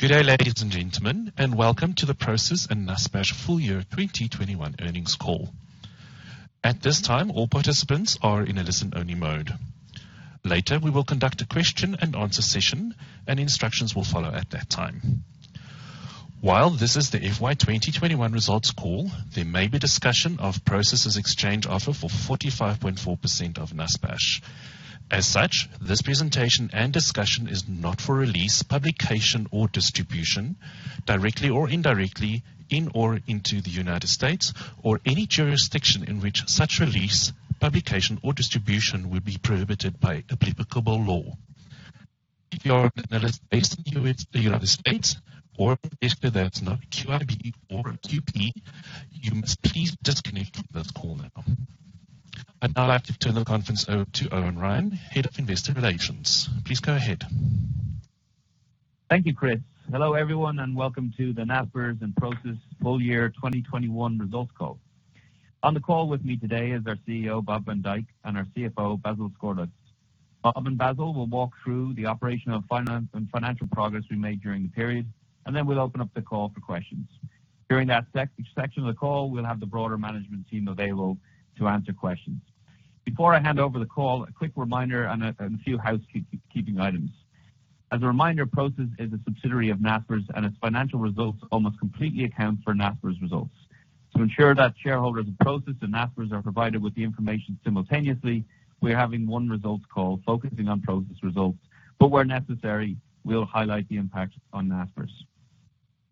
Good day, ladies and gentlemen, welcome to the Prosus and Naspers Full Year 2021 Earnings Call. At this time, all participants are in a listen-only mode. Later, we will conduct a question and answer session, instructions will follow at that time. While this is the FY 2021 results call, there may be discussion of Prosus' exchange offer for 45.4% of Naspers. This presentation and discussion is not for release, publication, or distribution directly or indirectly in or into the U.S. or any jurisdiction in which such release, publication, or distribution would be prohibited by applicable law. If you are an analyst based in the U.S. or if there's no QIB or QP, you must please disconnect from this call now. I'd now like to turn the conference over to Eoin Ryan, head of investor relations. Please go ahead. Thank you, Chris. Hello, everyone, and welcome to the Naspers and Prosus full year 2021 results call. On the call with me today is our CEO, Bob van Dijk, and our CFO, Basil Sgourdos. Bob and Basil will walk through the operational and financial progress we made during the period, and then we'll open up the call for questions. During that section of the call, we'll have the broader management team available to answer questions. Before I hand over the call, a quick reminder and a few housekeeping items. As a reminder, Prosus is a subsidiary of Naspers, and its financial results almost completely account for Naspers results. To ensure that shareholders of Prosus and Naspers are provided with the information simultaneously, we're having one results call focusing on Prosus results, but where necessary, we'll highlight the impact on Naspers.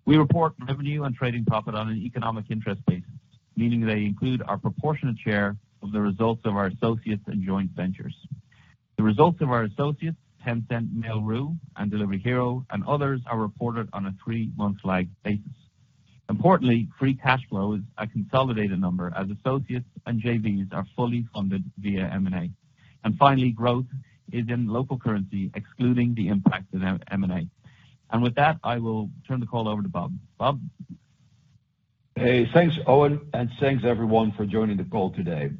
We report revenue and trading profit on an economic interest basis, meaning they include our proportionate share of the results of our associates and joint ventures. The results of our associates, Tencent, Mail.ru, and Delivery Hero, and others, are reported on a three-month lag basis. Importantly, free cash flow is a consolidated number as associates and JVs are fully funded via M&A. Finally, growth is in local currency, excluding the impact of M&A. With that, I will turn the call over to Bob. Bob? Hey, thanks, Eoin, and thanks, everyone, for joining the call today.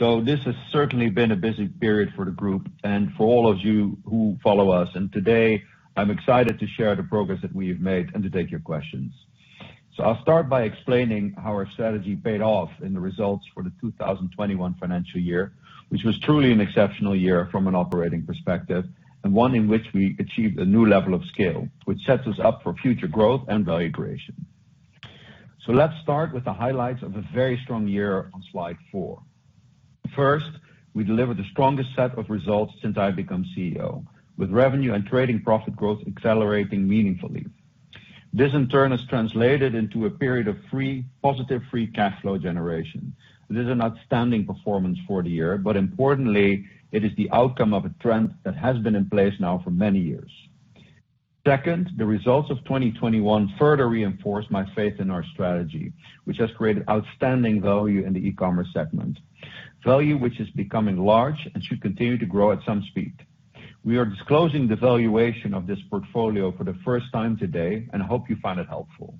This has certainly been a busy period for the group and for all of you who follow us. Today, I'm excited to share the progress that we have made and to take your questions. I'll start by explaining how our strategy paid off in the results for the 2021 financial year, which was truly an exceptional year from an operating perspective, and one in which we achieved a new level of scale, which sets us up for future growth and value creation. Let's start with the highlights of a very strong year on slide four. First, we delivered the strongest set of results since I've become CEO, with revenue and trading profit growth accelerating meaningfully. This, in turn, has translated into a period of positive free cash flow generation. It is an outstanding performance for the year, but importantly, it is the outcome of a trend that has been in place now for many years. Second, the results of 2021 further reinforce my faith in our strategy, which has created outstanding value in the e-commerce segment, value which is becoming large and should continue to grow at some speed. We are disclosing the valuation of this portfolio for the first time today and hope you find it helpful.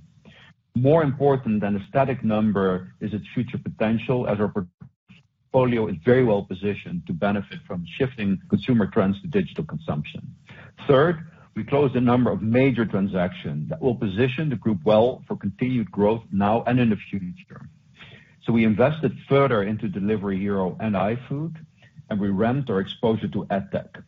More important than a static number is its future potential, as our portfolio is very well positioned to benefit from shifting consumer trends to digital consumption. Third, we closed a number of major transactions that will position the group well for continued growth now and in the future. We invested further into Delivery Hero and iFood, and we ramped our exposure to EdTech.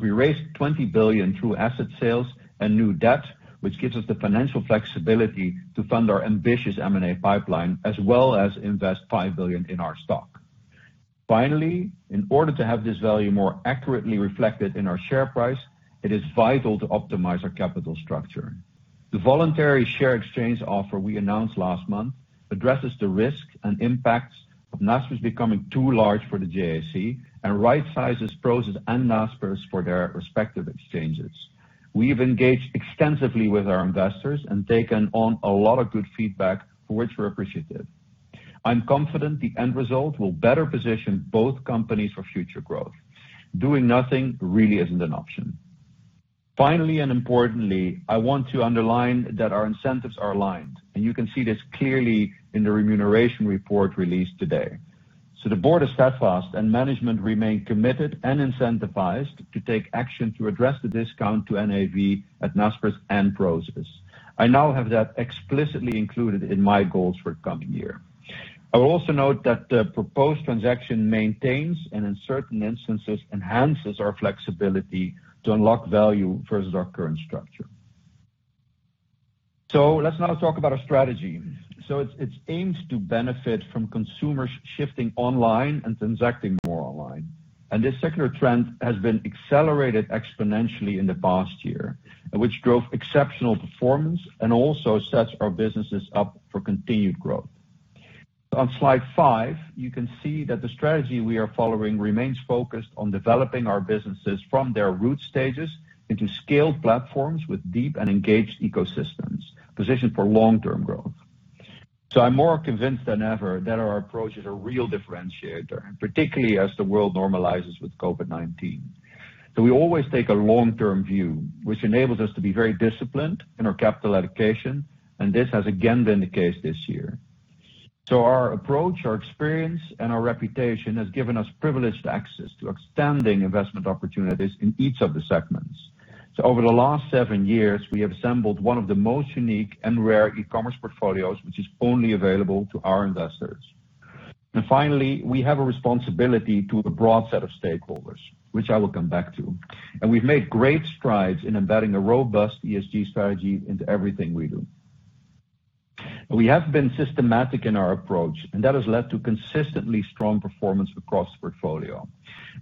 We raised $20 billion through asset sales and new debt, which gives us the financial flexibility to fund our ambitious M&A pipeline, as well as invest $5 billion in our stock. In order to have this value more accurately reflected in our share price, it is vital to optimize our capital structure. The voluntary share exchange offer we announced last month addresses the risk and impacts of Naspers becoming too large for the JSE and right sizes Prosus and Naspers for their respective exchanges. We've engaged extensively with our investors and taken on a lot of good feedback, for which we're appreciative. I'm confident the end result will better position both companies for future growth. Doing nothing really isn't an option. Importantly, I want to underline that our incentives are aligned, and you can see this clearly in the remuneration report released today. The board is steadfast, and management remain committed and incentivized to take action to address the discount to NAV at Naspers and Prosus. I now have that explicitly included in my goals for the coming year. I will also note that the proposed transaction maintains, and in certain instances, enhances our flexibility to unlock value versus our current structure. Let's now talk about our strategy. It aims to benefit from consumers shifting online and transacting more online. This secular trend has been accelerated exponentially in the past year, which drove exceptional performance and also sets our businesses up for continued growth. On slide five, you can see that the strategy we are following remains focused on developing our businesses from their root stages into scaled platforms with deep and engaged ecosystems, positioned for long-term growth. I'm more convinced than ever that our approach is a real differentiator, particularly as the world normalizes with COVID-19. We always take a long-term view, which enables us to be very disciplined in our capital allocation, and this has again been the case this year. Our approach, our experience, and our reputation has given us privileged access to outstanding investment opportunities in each of the segments. Over the last seven years, we have assembled one of the most unique and rare e-commerce portfolios, which is only available to our investors. Finally, we have a responsibility to a broad set of stakeholders, which I will come back to. We've made great strides in embedding a robust ESG strategy into everything we do. We have been systematic in our approach, and that has led to consistently strong performance across the portfolio.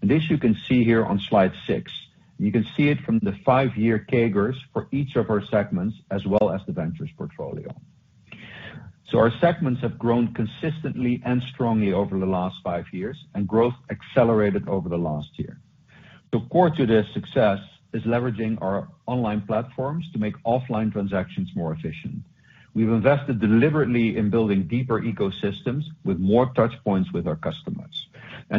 This you can see here on slide six. You can see it from the five-year CAGRs for each of our segments as well as the ventures portfolio. Our segments have grown consistently and strongly over the last five years, and growth accelerated over the last year. Core to this success is leveraging our online platforms to make offline transactions more efficient. We've invested deliberately in building deeper ecosystems with more touchpoints with our customers.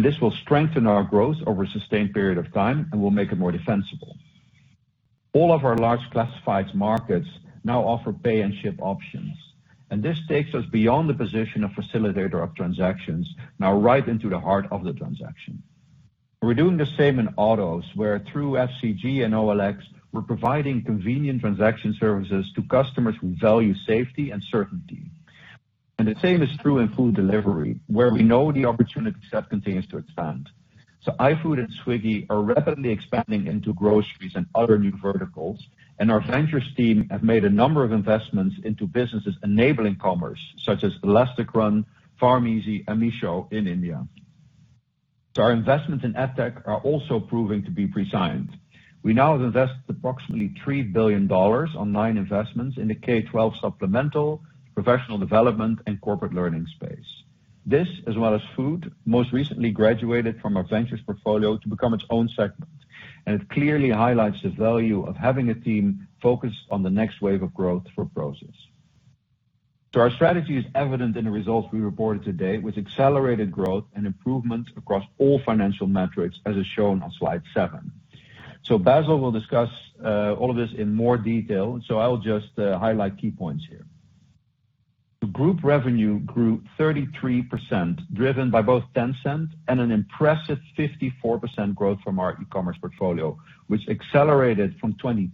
This will strengthen our growth over a sustained period of time and will make it more defensible. All of our large Classifieds markets now offer pay and ship options, and this takes us beyond the position of facilitator of transactions, now right into the heart of the transaction. We're doing the same in autos, where through FCG and OLX, we're providing convenient transaction services to customers who value safety and certainty. The same is true in Food Delivery, where we know the opportunity set continues to expand. iFood and Swiggy are rapidly expanding into groceries and other new verticals, and our ventures team have made a number of investments into businesses enabling commerce, such as ElasticRun, PharmEasy, and Meesho in India. Our investments in EdTech are also proving to be prescient. We now have invested approximately $3 billion on nine investments in the K-12 supplemental, professional development, and corporate learning space. This, as well as food, most recently graduated from our Ventures portfolio to become its own segment, and it clearly highlights the value of having a team focused on the next wave of growth for Prosus. Our strategy is evident in the results we reported today with accelerated growth and improvement across all financial metrics, as is shown on slide seven. Basil will discuss all this in more detail. I'll just highlight key points here. Group revenue grew 33%, driven by both Tencent and an impressive 54% growth from our e-commerce portfolio, which accelerated from 23%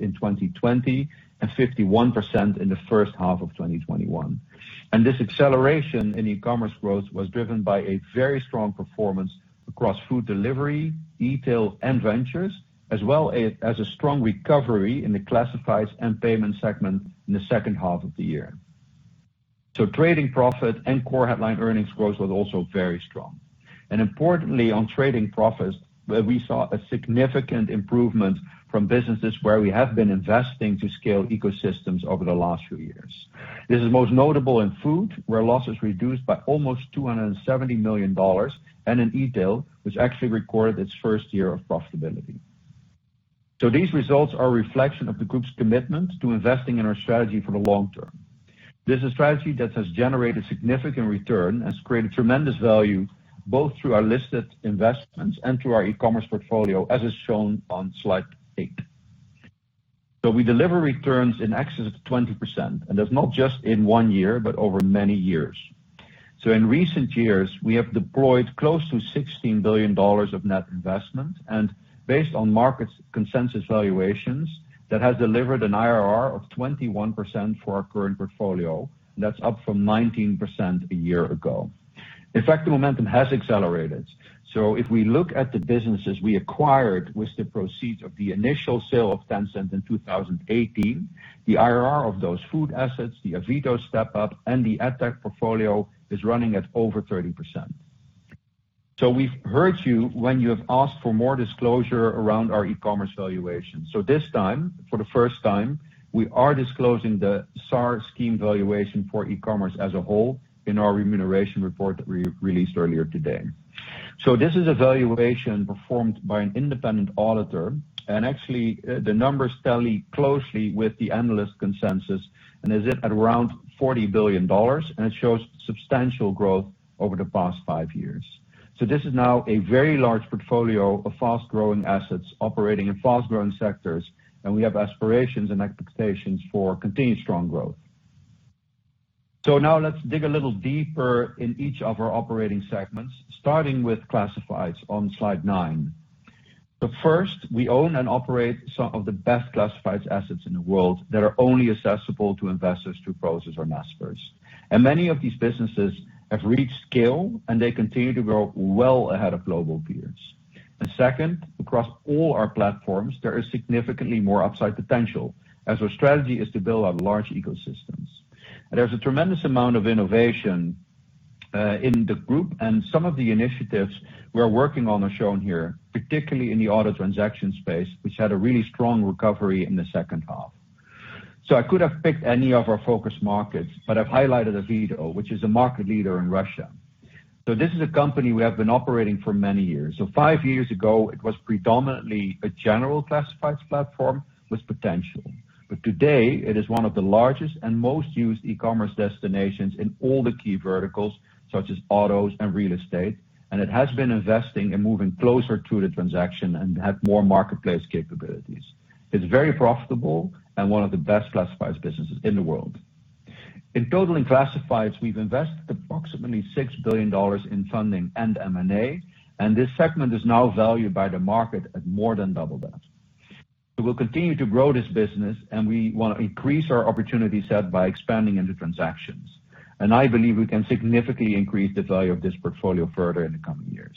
in 2020 and 51% in the first half of 2021. This acceleration in e-commerce growth was driven by a very strong performance across Food Delivery, Etail, and Ventures, as well as a strong recovery in the classifieds and payment segment in the second half of the year. Trading profit and core headline earnings growth was also very strong. Importantly, on trading profits, we saw a significant improvement from businesses where we have been investing to scale ecosystems over the last few years. This is most notable in food, where losses reduced by almost $270 million, and in Etail, which actually recorded its first year of profitability. These results are a reflection of the group's commitment to investing in our strategy for the long term. This is a strategy that has generated significant return and has created tremendous value both through our listed investments and through our e-commerce portfolio, as is shown on slide eight. We deliver returns in excess of 20%, and that's not just in one year, but over many years. In recent years, we have deployed close to $16 billion of net investment, and based on market consensus valuations, that has delivered an IRR of 21% for our current portfolio, and that's up from 19% a year ago. In fact, the momentum has accelerated. If we look at the businesses we acquired with the proceeds of the initial sale of Tencent in 2018, the IRR of those food assets, the Avito step-up, and the EdTech portfolio is running at over 30%. We've heard you when you have asked for more disclosure around our e-commerce valuation. This time, for the first time, we are disclosing the SAR scheme valuation for e-commerce as a whole in our remuneration report that we released earlier today. This is a valuation performed by an independent auditor, and actually, the numbers tally closely with the analyst consensus and is at around $40 billion, and it shows substantial growth over the past five years. This is now a very large portfolio of fast-growing assets operating in fast-growing sectors, and we have aspirations and expectations for continued strong growth. Now let's dig a little deeper in each of our operating segments, starting with Classifieds on slide nine. first, we own and operate some of the best Classifieds assets in the world that are only accessible to investors through Prosus or Naspers. second, across all our platforms, there is significantly more upside potential, as our strategy is to build out large ecosystems. There's a tremendous amount of innovation in the group, and some of the initiatives we are working on are shown here, particularly in the auto transaction space, which had a really strong recovery in the second half. I could have picked any of our focus markets, but I've highlighted Avito, which is a market leader in Russia. This is a company we have been operating for many years. Five years ago, it was predominantly a general classifieds platform with potential. today, it is one of the largest and most used e-commerce destinations in all the key verticals such as autos and real estate, and it has been investing in moving closer to the transaction and have more marketplace capabilities. It's very profitable and one of the best classifieds businesses in the world. In total in Classifieds, we've invested approximately $6 billion in funding and M&A, and this segment is now valued by the market at more than double that. we'll continue to grow this business, and we want to increase our opportunity set by expanding into transactions. I believe we can significantly increase the value of this portfolio further in the coming years.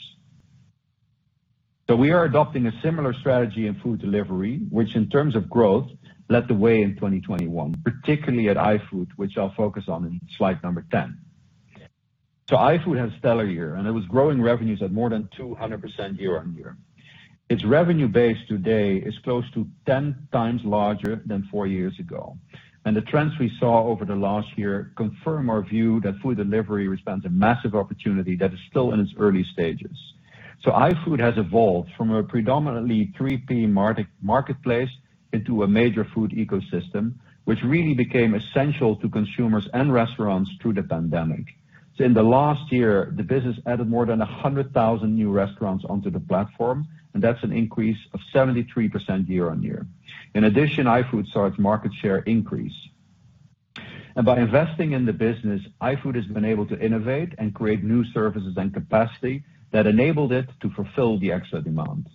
We are adopting a similar strategy in food delivery, which in terms of growth, led the way in 2021, particularly at iFood, which I'll focus on in slide number 10. iFood had a stellar year, and it was growing revenues at more than 200% year-over-year. Its revenue base today is close to 10x larger than four years ago, and the trends we saw over the last year confirm our view that food delivery represents a massive opportunity that is still in its early stages. iFood has evolved from a predominantly 3P marketplace into a major food ecosystem, which really became essential to consumers and restaurants through the pandemic. In the last year, the business added more than 100,000 new restaurants onto the platform, and that's an increase of 73% year-over-year. In addition, iFood saw its market share increase. By investing in the business, iFood has been able to innovate and create new services and capacity that enabled it to fulfill the extra demand.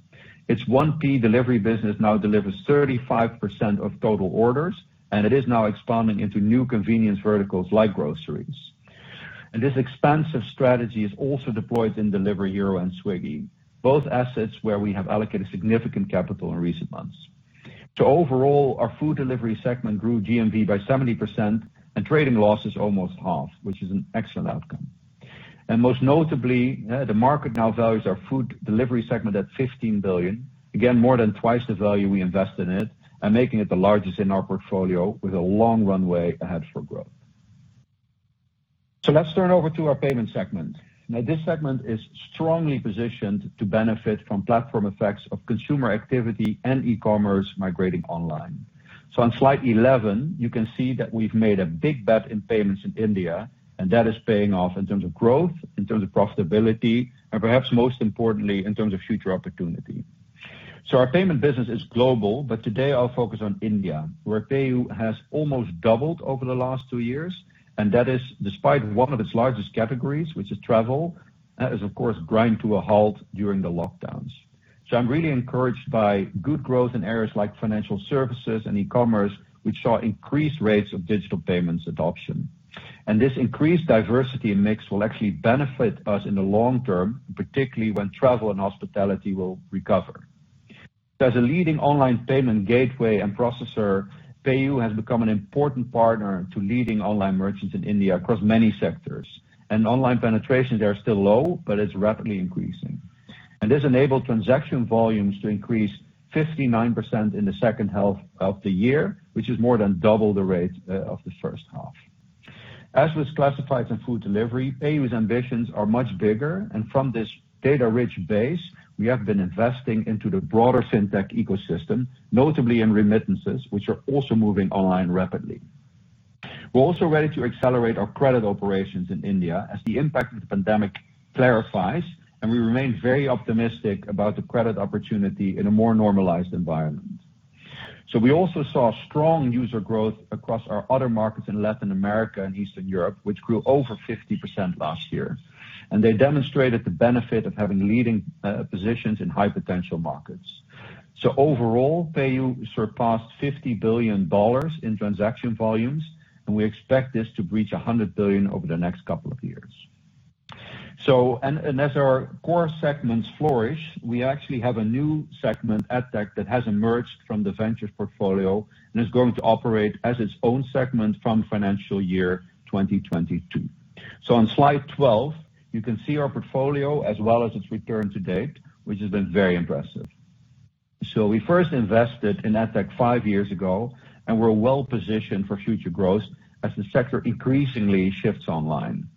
Its 1P delivery business now delivers 35% of total orders, and it is now expanding into new convenience verticals like groceries. This expansive strategy is also deployed in Delivery Hero and Swiggy, both assets where we have allocated significant capital in recent months. Overall, our Food Delivery segment grew GMV by 70% and trading loss is almost half, which is an excellent outcome. Most notably, the market now values our Food Delivery segment at $15 billion, again, more than twice the value we invest in it and making it the largest in our portfolio with a long runway ahead for growth. Let's turn over to our Payments segment. Now, this segment is strongly positioned to benefit from platform effects of consumer activity and e-commerce migrating online. On slide 11, you can see that we've made a big bet in payments in India, and that is paying off in terms of growth, in terms of profitability, and perhaps most importantly, in terms of future opportunity. Our payment business is global, but today I'll focus on India, where PayU has almost doubled over the last two years, and that is despite one of its largest categories, which is travel, that is, of course, grind to a halt during the lockdowns. I'm really encouraged by good growth in areas like financial services and e-commerce, which saw increased rates of digital payments adoption. This increased diversity mix will actually benefit us in the long term, particularly when travel and hospitality will recover. As a leading online payment gateway and processor, PayU has become an important partner to leading online merchants in India across many sectors. Online penetration there are still low, but it's rapidly increasing. This enabled transaction volumes to increase 59% in the second half of the year, which is more than double the rate of the first half. As with Classifieds and Food Delivery, PayU's ambitions are much bigger, and from this data-rich base, we have been investing into the broader fintech ecosystem, notably in remittances, which are also moving online rapidly. We're also ready to accelerate our credit operations in India as the impact of the pandemic clarifies, and we remain very optimistic about the credit opportunity in a more normalized environment. We also saw strong user growth across our other markets in Latin America and Eastern Europe, which grew over 50% last year, and they demonstrated the benefit of having leading positions in high-potential markets. Overall, PayU surpassed $50 billion in transaction volumes, and we expect this to reach $100 billion over the next couple of years. As our core segments flourish, we actually have a new segment, EdTech, that has emerged from the ventures portfolio and is going to operate as its own segment from financial year 2022. On slide 12, you can see our portfolio as well as its return to date, which has been very impressive. We first invested in EdTech five years ago, and we're well-positioned for future growth as the sector increasingly shifts online.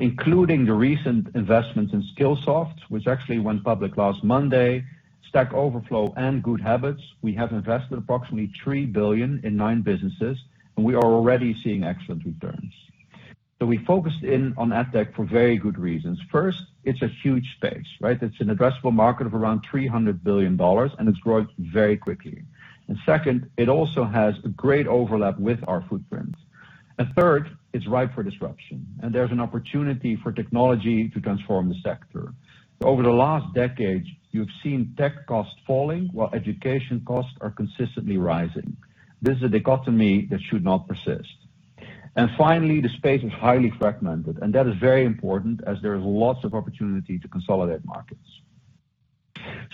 Including the recent investments in Skillsoft, which actually went public last Monday, Stack Overflow, and GoodHabitz, we have invested approximately $3 billion in nine businesses, and we are already seeing excellent returns. We focused in on EdTech for very good reasons. First, it's a huge space, right? It's an addressable market of around $300 billion, and it's growing very quickly. Second, it also has a great overlap with our footprint. Third, it's ripe for disruption, and there's an opportunity for technology to transform the sector. Over the last decade, you've seen tech costs falling while education costs are consistently rising. This is a dichotomy that should not persist. Finally, the space is highly fragmented, and that is very important as there is lots of opportunity to consolidate markets.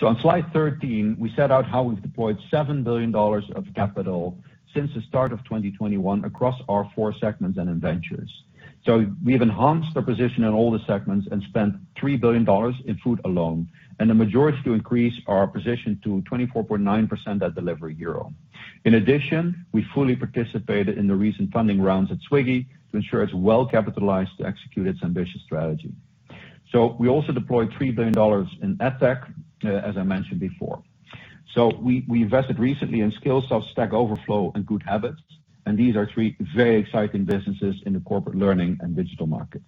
On slide 13, we set out how we've deployed $7 billion of capital since the start of 2021 across our four segments and in ventures. We've enhanced our position in all the segments and spent $3 billion in food alone, and the majority to increase our position to 24.9% at Delivery Hero. In addition, we fully participated in the recent funding rounds at Swiggy to ensure it's well-capitalized to execute its ambitious strategy. We also deployed $3 billion in EdTech, as I mentioned before. We invested recently in Skillsoft, Stack Overflow, and GoodHabitz, and these are three very exciting businesses in the corporate learning and digital markets.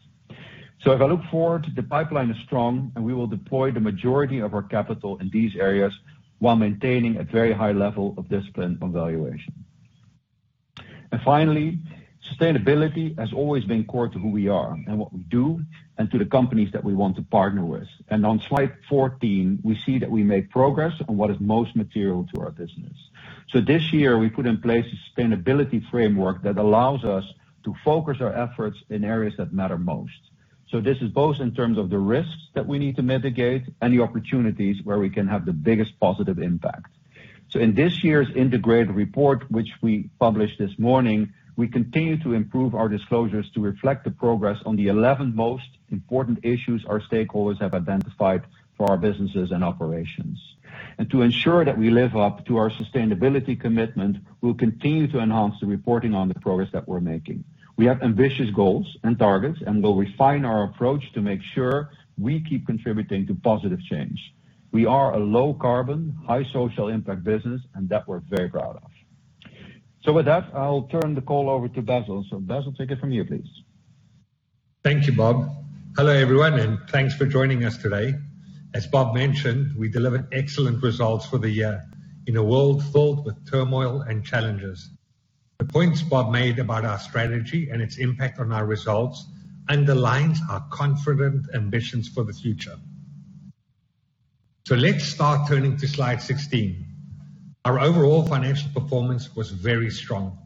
If I look forward, the pipeline is strong, and we will deploy the majority of our capital in these areas while maintaining a very high level of discipline on valuation. Finally, sustainability has always been core to who we are and what we do, and to the companies that we want to partner with. On slide 14, we see that we made progress on what is most material to our business. This year we put in place a sustainability framework that allows us to focus our efforts in areas that matter most. This is both in terms of the risks that we need to mitigate and the opportunities where we can have the biggest positive impact. In this year's integrated report, which we published this morning, we continue to improve our disclosures to reflect the progress on the 11 most important issues our stakeholders have identified for our businesses and operations. To ensure that we live up to our sustainability commitment, we'll continue to enhance the reporting on the progress that we're making. We have ambitious goals and targets, and we'll refine our approach to make sure we keep contributing to positive change. We are a low carbon, high social impact business and that we're very proud of. With that, I'll turn the call over to Basil. Basil, take it from you, please. Thank you, Bob. Hello, everyone, and thanks for joining us today. As Bob mentioned, we delivered excellent results for the year in a world filled with turmoil and challenges. The points Bob made about our strategy and its impact on our results underlines our confident ambitions for the future. Let's start turning to slide 16. Our overall financial performance was very strong.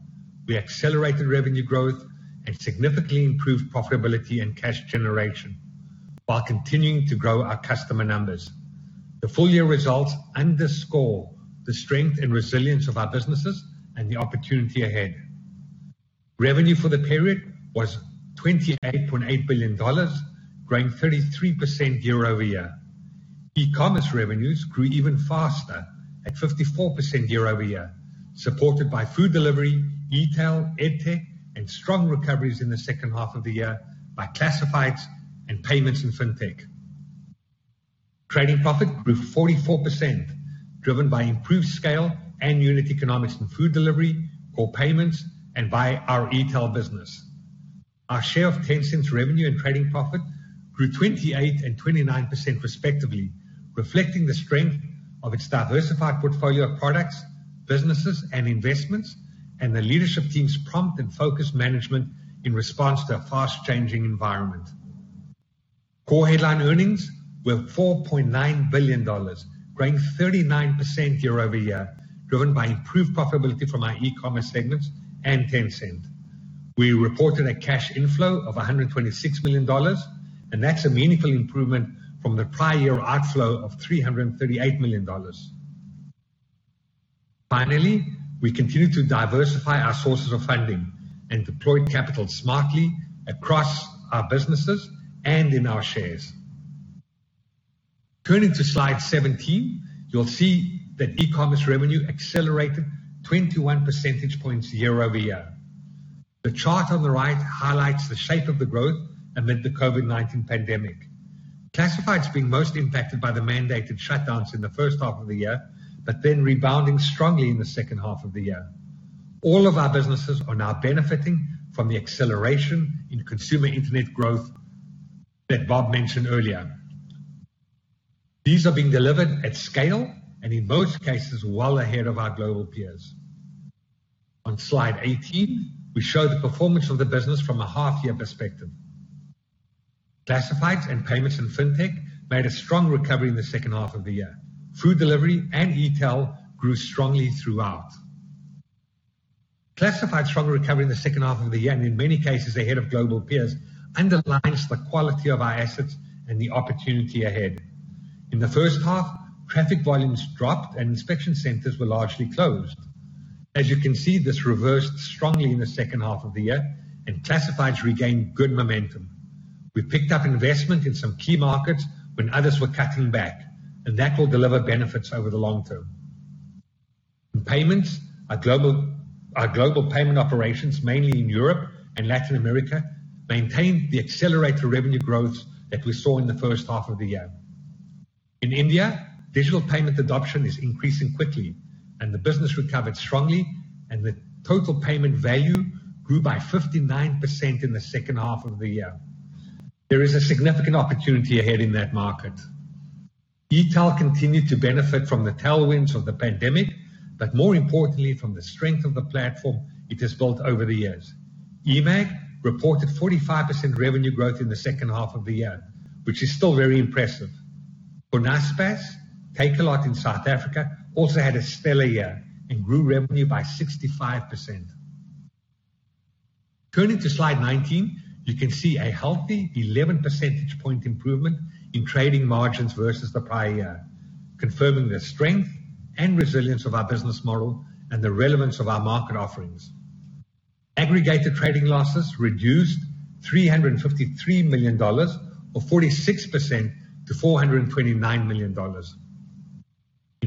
We accelerated revenue growth and significantly improved profitability and cash generation while continuing to grow our customer numbers. The full year results underscore the strength and resilience of our businesses and the opportunity ahead. Revenue for the period was $28.8 billion, growing 33% year-over-year. E-commerce revenues grew even faster at 54% year-over-year, supported by Food Delivery, Etail, EdTech, and strong recoveries in the second half of the year by Classifieds and Payments & Fintech. Trading profit grew 44%, driven by improved scale and unit economics and food delivery for payments and by our Etail business. Our share of Tencent's revenue and trading profit grew 28% and 29% respectively, reflecting the strength of its diversified portfolio of products, businesses and investments, and the leadership team's prompt and focused management in response to a fast changing environment. Core headline earnings were $4.9 billion, growing 39% year-over-year, driven by improved profitability from our e-commerce segments and Tencent. We reported a cash inflow of $126 million, and that's a meaningful improvement from the prior year outflow of $338 million. Finally, we continue to diversify our sources of funding and deploy capital smartly across our businesses and in our shares. Turning to slide 17, you'll see that e-commerce revenue accelerated 21 percentage points year-over-year. The chart on the right highlights the shape of the growth amid the COVID-19 pandemic. Classifieds being most impacted by the mandated shutdowns in the first half of the year, but then rebounding strongly in the second half of the year. All of our businesses are now benefiting from the acceleration in consumer internet growth that Bob mentioned earlier. These are being delivered at scale and in most cases, well ahead of our global peers. On slide 18, we show the performance of the business from a half year perspective. Classifieds and Payments & Fintech made a strong recovery in the second half of the year. Food Delivery and Etail grew strongly throughout. Classified strong recovery in the second half of the year, and in many cases ahead of global peers, underlines the quality of our assets and the opportunity ahfead. In the first half, traffic volumes dropped and inspection centers were largely closed. As you can see, this reversed strongly in the second half of the year, and classifieds regained good momentum. We picked up investment in some key markets when others were cutting back, and that will deliver benefits over the long term. In payments, our global payment operations, mainly in Europe and Latin America, maintained the accelerated revenue growth that we saw in the first half of the year. In India, digital payment adoption is increasing quickly and the business recovered strongly and the total payment value grew by 59% in the second half of the year. There is a significant opportunity ahead in that market. Etail continued to benefit from the tailwinds of the pandemic, but more importantly from the strength of the platform it has built over the years. eMag reported 45% revenue growth in the second half of the year, which is still very impressive. For Naspers, Takealot in South Africa also had a stellar year and grew revenue by 65%. Turning to slide 19, you can see a healthy 11 percentage point improvement in trading margins versus the prior year, confirming the strength and resilience of our business model and the relevance of our market offerings. Aggregated trading losses reduced $53 million or 46% to $429 million.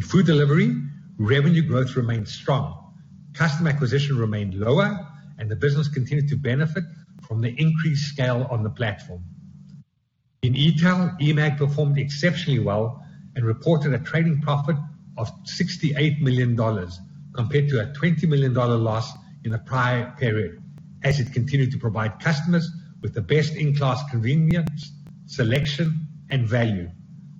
In Food Delivery, revenue growth remained strong, customer acquisition remained lower, and the business continued to benefit from the increased scale on the platform. In Etail, eMAG performed exceptionally well and reported a trading profit of $68 million compared to a $20 million loss in the prior period, as it continued to provide customers with the best-in-class convenience, selection, and value.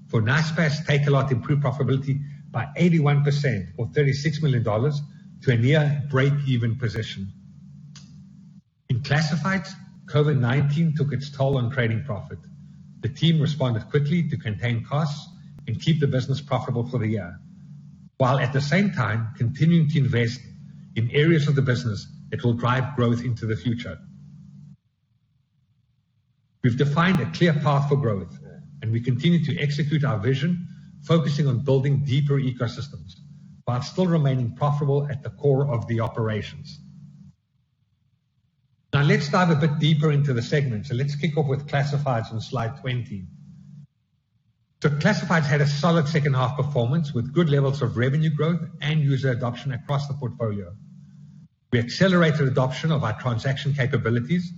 For Naspers, Takealot improved profitability by 81% or $36 million to a near breakeven position. In Classifieds, COVID-19 took its toll on trading profit. The team responded quickly to contain costs and keep the business profitable for the year, while at the same time continuing to invest in areas of the business that will drive growth into the future. We've defined a clear path for growth, and we continue to execute our vision, focusing on building deeper ecosystems while still remaining profitable at the core of the operations. Now let's dive a bit deeper into the segments, and let's kick off with Classifieds on slide 20. Classifieds had a solid second half performance with good levels of revenue growth and user adoption across the portfolio. We accelerated adoption of our transaction capabilities,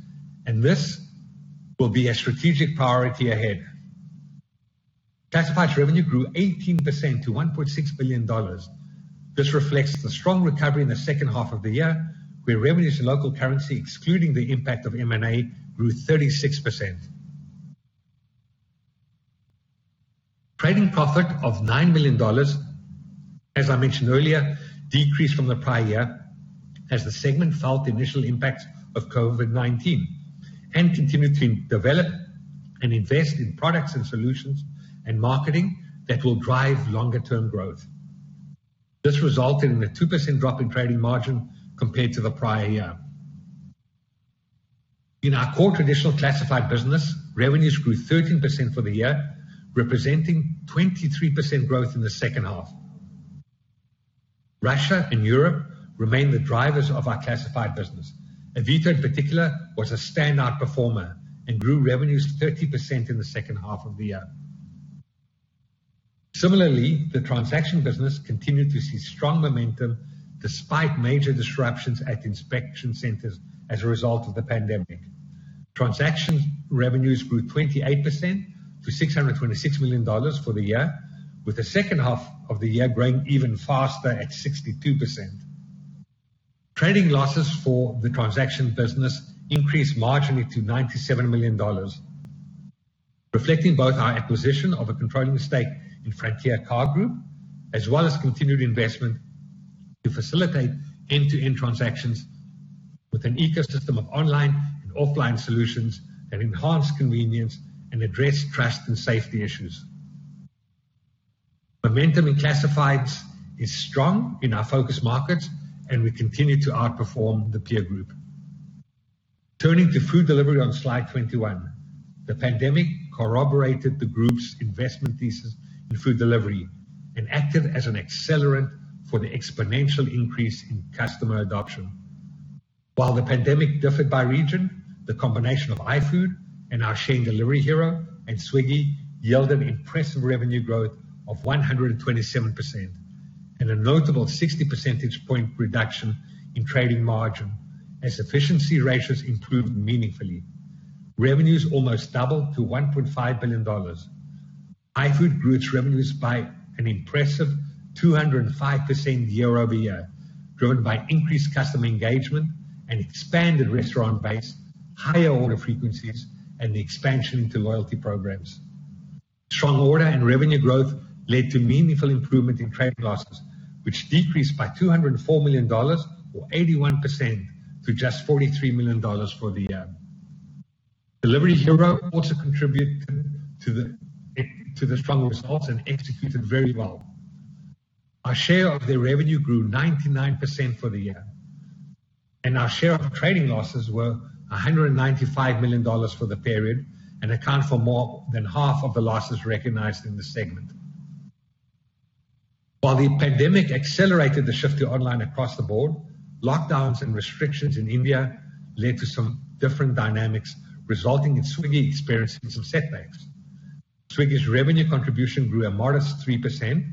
and this will be a strategic priority ahead. Classifieds revenue grew 18% to $1.6 billion. This reflects the strong recovery in the second half of the year, where revenues in local currency, excluding the impact of M&A, grew 36%. Trading profit of $9 million, as I mentioned earlier, decreased from the prior year as the segment felt the initial impact of COVID-19 and continued to develop and invest in products and solutions and marketing that will drive longer-term growth. This resulted in a 2% drop in trading margin compared to the prior year. In our core traditional Classified business, revenues grew 13% for the year, representing 23% growth in the second half. Russia and Europe remain the drivers of our Classified business. Avito in particular was a standout performer and grew revenues 30% in the second half of the year. Similarly, the transaction business continued to see strong momentum despite major disruptions at inspection centers as a result of the pandemic. Transactions revenues grew 28% to $626 million for the year, with the second half of the year growing even faster at 62%. Trading losses for the transaction business increased marginally to $97 million, reflecting both our acquisition of a controlling stake in Frontier Car Group, as well as continued investment to facilitate end-to-end transactions with an ecosystem of online and offline solutions that enhance convenience and address trust and safety issues. Momentum in Classifieds is strong in our focus markets, and we continue to outperform the peer group. Turning to Food Delivery on slide 21. The pandemic corroborated the group's investment thesis in food delivery and acted as an accelerant for the exponential increase in customer adoption. While the pandemic differed by region, the combination of iFood and our share in Delivery Hero and Swiggy yielded impressive revenue growth of 127% and a notable 60 percentage point reduction in trading margin as efficiency ratios improved meaningfully. Revenues almost doubled to $1.5 billion. iFood grew its revenues by an impressive 205% year-over-year, driven by increased customer engagement, an expanded restaurant base, higher order frequencies, and the expansion into loyalty programs. Strong order and revenue growth led to meaningful improvement in trade losses, which decreased by $204 million or 81% to just $43 million for the year. Delivery Hero also contributed to the strong results and executed very well. Our share of the revenue grew 99% for the year, and our share of trading losses were $195 million for the period and account for more than half of the losses recognized in this segment. While the pandemic accelerated the shift to online across the board, lockdowns and restrictions in India led to some different dynamics, resulting in Swiggy experiencing some setbacks. Swiggy's revenue contribution grew a modest 3%.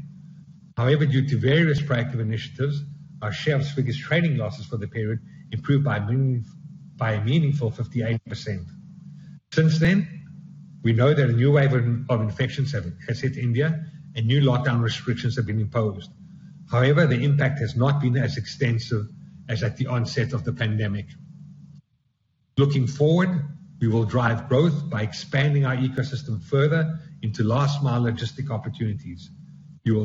However, due to various proactive initiatives, our share of Swiggy's trading losses for the period improved by a meaningful 58%. Since then, we know that a new wave of infections has hit India and new lockdown restrictions have been imposed. However, the impact has not been as extensive as at the onset of the pandemic. Looking forward, we will drive growth by expanding our ecosystem further into last mile logistic opportunities. You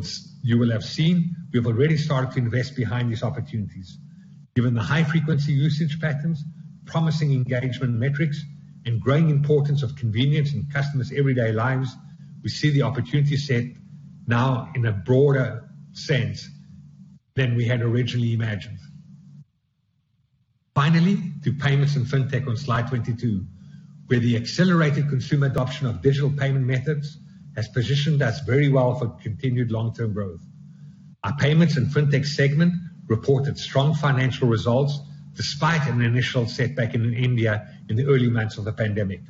will have seen we've already started to invest behind these opportunities. Given the high frequency usage patterns, promising engagement metrics, and growing importance of convenience in customers' everyday lives, we see the opportunity set now in a broader sense than we had originally imagined. Finally, to Payments & Fintech on slide 22, where the accelerated consumer adoption of digital payment methods has positioned us very well for continued long-term growth. Our Payments & Fintech segment reported strong financial results despite an initial setback in India in the early months of the pandemic.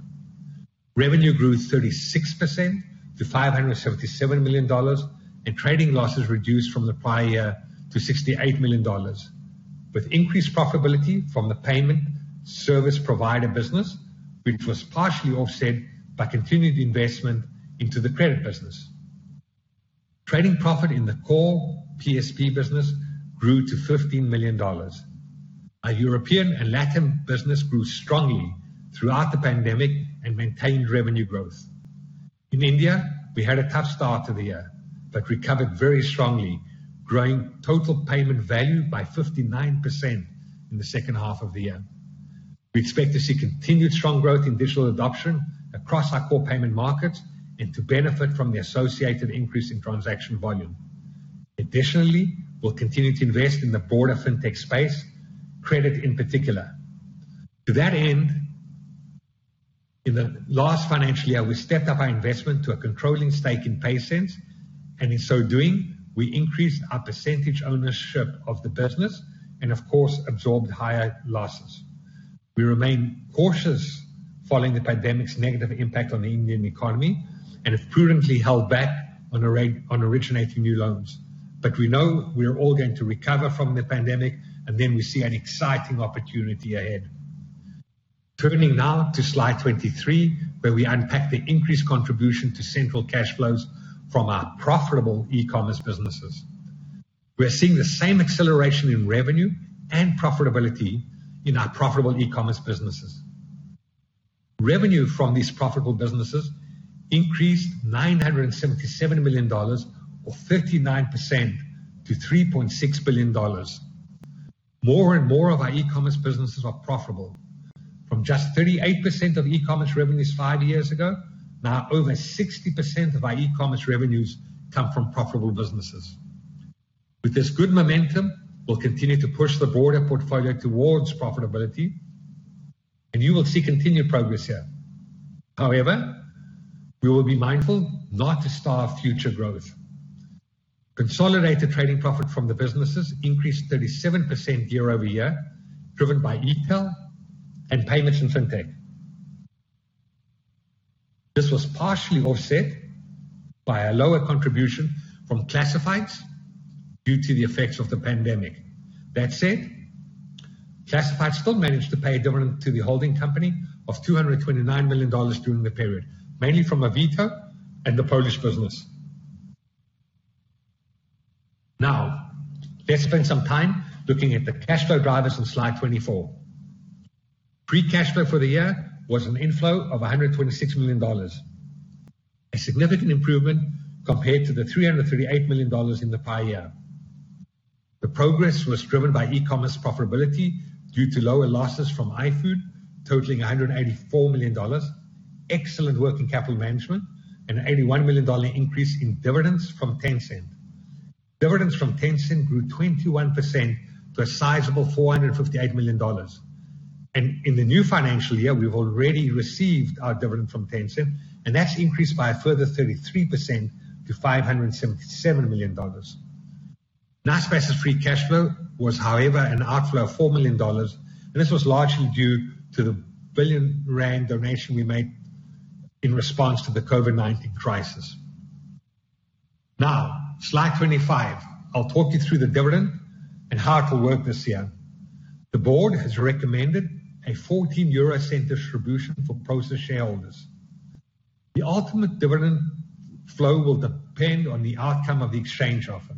Revenue grew 36% to $577 million, and trading losses reduced from the prior year to $68 million. With increased profitability from the payment service provider business, which was partially offset by continued investment into the credit business. Trading profit in the core PSP business grew to $15 million. Our European and LATAM business grew strongly throughout the pandemic and maintained revenue growth. In India, we had a tough start to the year, but recovered very strongly, growing total payment value by 59% in the second half of the year. We expect to see continued strong growth in digital adoption across our core payment markets and to benefit from the associated increase in transaction volume. Additionally, we'll continue to invest in the broader fintech space, credit in particular. To that end, in the last financial year, we stepped up our investment to a controlling stake in PaySense, and in so doing, we increased our percentage ownership of the business and of course, absorbed higher losses. We remain cautious following the pandemic's negative impact on the Indian economy and have prudently held back on originating new loans. We know we are all going to recover from the pandemic, and then we see an exciting opportunity ahead. Turning now to slide 23, where we unpack the increased contribution to central cash flows from our profitable e-commerce businesses. We are seeing the same acceleration in revenue and profitability in our profitable e-commerce businesses. Revenue from these profitable businesses increased $977 million, or 39%, to $3.6 billion. More and more of our e-commerce businesses are profitable. From just 38% of e-commerce revenues five years ago, now over 60% of our e-commerce revenues come from profitable businesses. With this good momentum, we'll continue to push the broader portfolio towards profitability, and you will see continued progress here. However, we will be mindful not to starve future growth. Consolidated trading profit from the businesses increased 37% year-over-year, driven by Etail and Payments & Fintech. This was partially offset by a lower contribution from Classifieds due to the effects of the pandemic. That said, Classifieds still managed to pay a dividend to the holding company of $ 229 million during the period, mainly from Avito and the Polish business. Now, let's spend some time looking at the cash flow drivers on Slide 24. Free cash flow for the year was an inflow of $126 million, a significant improvement compared to the $338 million in the prior year. The progress was driven by e-commerce profitability due to lower losses from iFood, totaling $184 million, excellent working capital management, an $81 million increase in dividends from Tencent. Dividends from Tencent grew 21% to a sizable $458 million. In the new financial year, we've already received our dividend from Tencent, and that's increased by a further 33% to $577 million. Naspers' free cash flow was, however, an outflow of $4 million. This was largely due to the 1 billion rand donation we made in response to the COVID-19 crisis. Now, slide 25. I'll talk you through the dividend and how it will work this year. The board has recommended a $0.14 distribution for Prosus shareholders. The ultimate dividend flow will depend on the outcome of the exchange offer.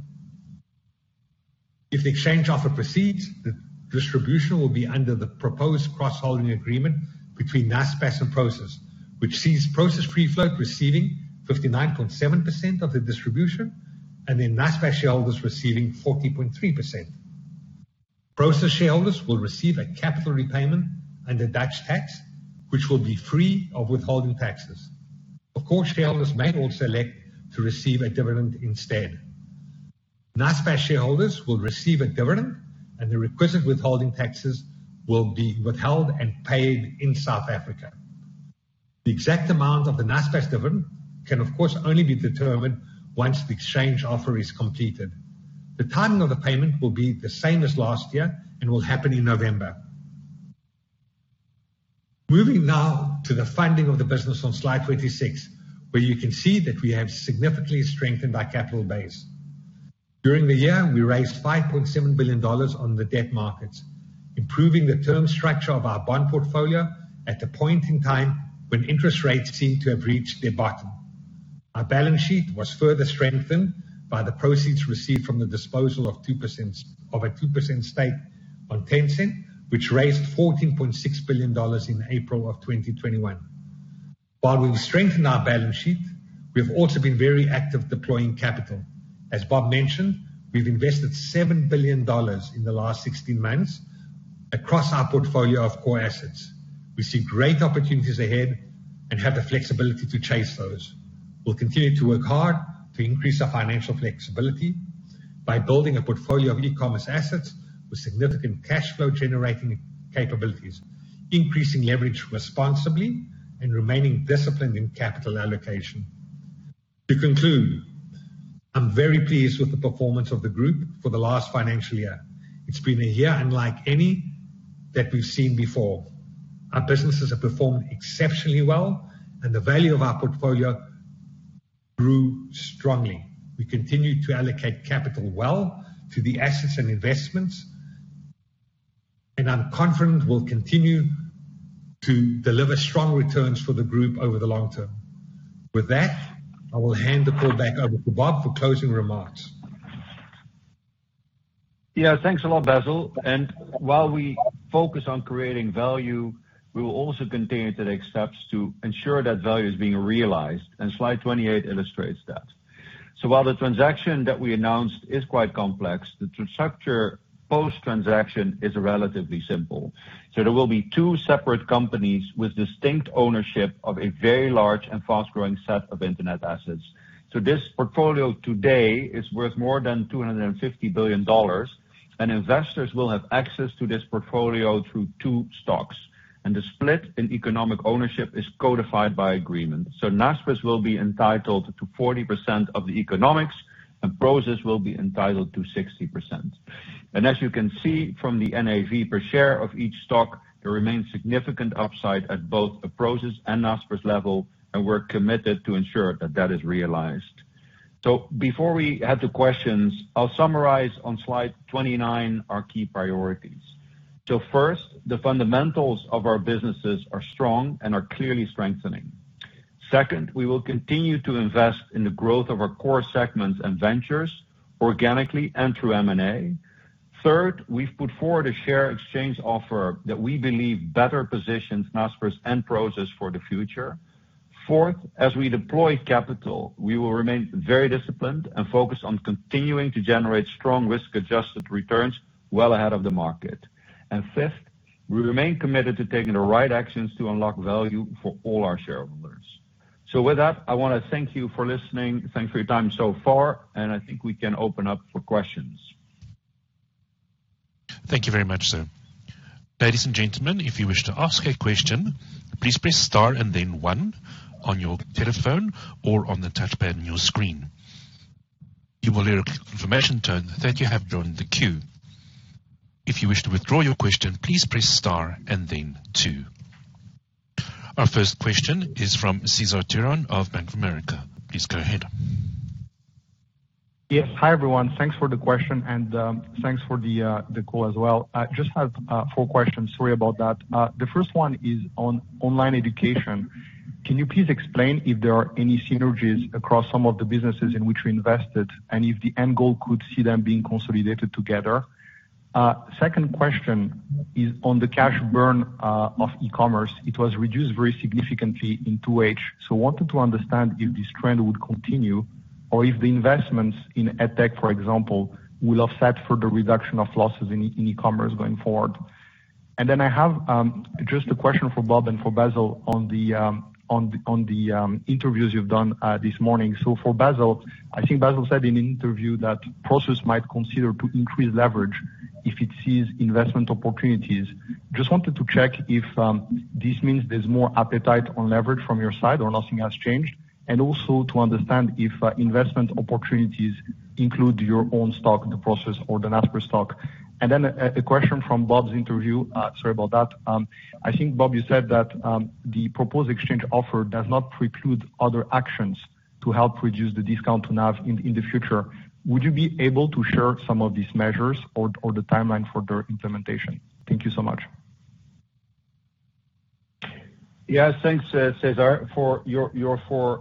If the exchange offer proceeds, the distribution will be under the proposed cross-holding agreement between Naspers and Prosus, which sees Prosus free float receiving 59.7% of the distribution, and then Naspers shareholders receiving 40.3%. Prosus shareholders will receive a capital repayment under Dutch tax, which will be free of withholding taxes. Of course, shareholders may also elect to receive a dividend instead. Naspers shareholders will receive a dividend, and the requisite withholding taxes will be withheld and paid in South Africa. The exact amount of the Naspers dividend can, of course, only be determined once the exchange offer is completed. The timing of the payment will be the same as last year and will happen in November. Moving now to the funding of the business on Slide 26, where you can see that we have significantly strengthened our capital base. During the year, we raised $5.7 billion on the debt markets, improving the term structure of our bond portfolio at a point in time when interest rates seemed to have reached their bottom. Our balance sheet was further strengthened by the proceeds received from the disposal of our 2% stake on Tencent, which raised $14.6 billion in April of 2021. While we've strengthened our balance sheet, we've also been very active deploying capital. As Bob mentioned, we've invested $7 billion in the last 16 months across our portfolio of core assets. We see great opportunities ahead and have the flexibility to chase those. We'll continue to work hard to increase our financial flexibility by building a portfolio of e-commerce assets with significant cash flow generating capabilities, increasing leverage responsibly, and remaining disciplined in capital allocation. To conclude, I'm very pleased with the performance of the group for the last financial year. It's been a year unlike any that we've seen before. Our businesses have performed exceptionally well, and the value of our portfolio grew strongly. We continue to allocate capital well to the assets and investments, and I'm confident we'll continue to deliver strong returns for the group over the long term. With that, I will hand the call back over to Bob for closing remarks. Yeah, thanks a lot, Basil. While we focus on creating value, we'll also continue to take steps to ensure that value is being realized, and slide 28 illustrates that. While the transaction that we announced is quite complex, the structure post-transaction is relatively simple. There will be two separate companies with distinct ownership of a very large and fast-growing set of internet assets. This portfolio today is worth more than $250 billion, and investors will have access to this portfolio through two stocks, and the split in economic ownership is codified by agreement. Naspers will be entitled to 40% of the economics, and Prosus will be entitled to 60%. As you can see from the NAV per share of each stock, there remains significant upside at both the Prosus and Naspers level, and we're committed to ensure that that is realized. Before we head to questions, I'll summarize on slide 29 our key priorities. First, the fundamentals of our businesses are strong and are clearly strengthening. Second, we will continue to invest in the growth of our core segments and ventures organically and through M&A. Third, we've put forward a share exchange offer that we believe better positions Naspers and Prosus for the future. Fourth, as we deploy capital, we will remain very disciplined and focused on continuing to generate strong risk-adjusted returns well ahead of the market. Fifth, we remain committed to taking the right actions to unlock value for all our shareholders. With that, I want to thank you for listening. Thanks for your time so far, and I think we can open up for questions. Thank you very much, sir. Ladies and gentlemen, if you wish to ask a question, please press star and then one on your telephone or on the touchpad on your screen. You will hear a confirmation tone that you have joined the queue. If you wish to withdraw your question, please press star and then two. Our first question is from Cesar Tiron of Bank of America. Please go ahead. Yeah. Hi, everyone. Thanks for the question and thanks for the call as well. I just have four questions. Sorry about that. The first one is on online education. Can you please explain if there are any synergies across some of the businesses in which you invested and if the end goal could see them being consolidated together? Second question is on the cash burn of e-commerce. It was reduced very significantly in 2H. I wanted to understand if this trend would continue or if the investments in EdTech, for example, will offset further reduction of losses in e-commerce going forward. I have just a question for Bob and for Basil on the interviews you've done this morning. For Basil, I think Basil said in an interview that Prosus might consider to increase leverage if it sees investment opportunities. Just wanted to check if this means there's more appetite on leverage from your side or nothing has changed, and also to understand if investment opportunities include your own stock, the Prosus or the Naspers stock. Then a question from Bob's interview. Sorry about that. I think, Bob, you said that the proposed exchange offer does not preclude other actions to help reduce the discount to NAV in the future. Would you be able to share some of these measures or the timeline for their implementation? Thank you so much. Yeah, thanks, Cesar, for your four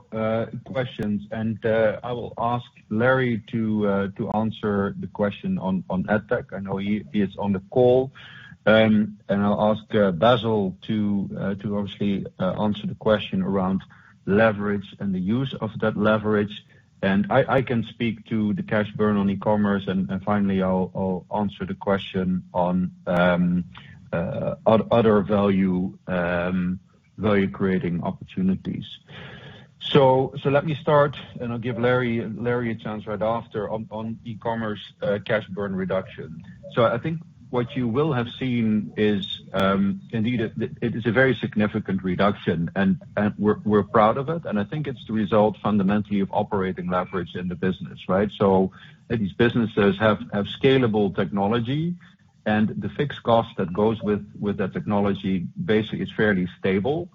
questions. I will ask Larry to answer the question on EdTech. I know he is on the call. I'll ask Basil to obviously answer the question around leverage and the use of that leverage. I can speak to the cash burn on e-commerce, and finally, I'll answer the question on other value-creating opportunities. Let me start, and I'll give Larry a chance right after on e-commerce cash burn reduction. I think what you will have seen is indeed it is a very significant reduction, and we're proud of it, and I think it's the result fundamentally of operating leverage in the business, right? These businesses have scalable technology, and the fixed cost that goes with that technology basically is fairly stable.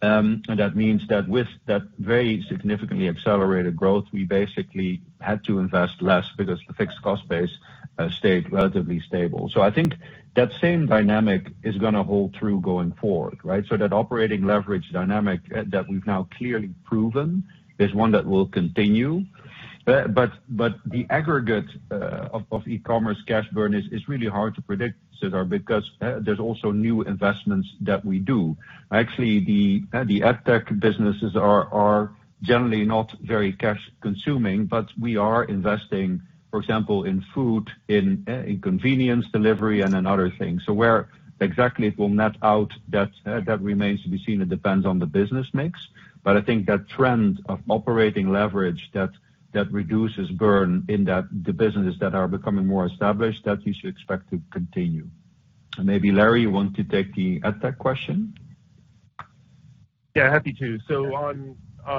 That means that with that very significantly accelerated growth, we basically had to invest less because the fixed cost base stayed relatively stable. I think that same dynamic is going to hold true going forward, right? That operating leverage dynamic that we've now clearly proven is one that will continue. The aggregate of e-commerce cash burn is really hard to predict, Cesar, because there's also new investments that we do. Actually, the EdTech businesses are generally not very cash consuming, but we are investing, for example, in food, in convenience delivery, and in other things. where exactly it will net out, that remains to be seen. It depends on the business mix. I think that trend of operating leverage that reduces burn in the businesses that are becoming more established, that we should expect to continue. Maybe, Larry, you want to take the EdTech question? Yeah, happy to.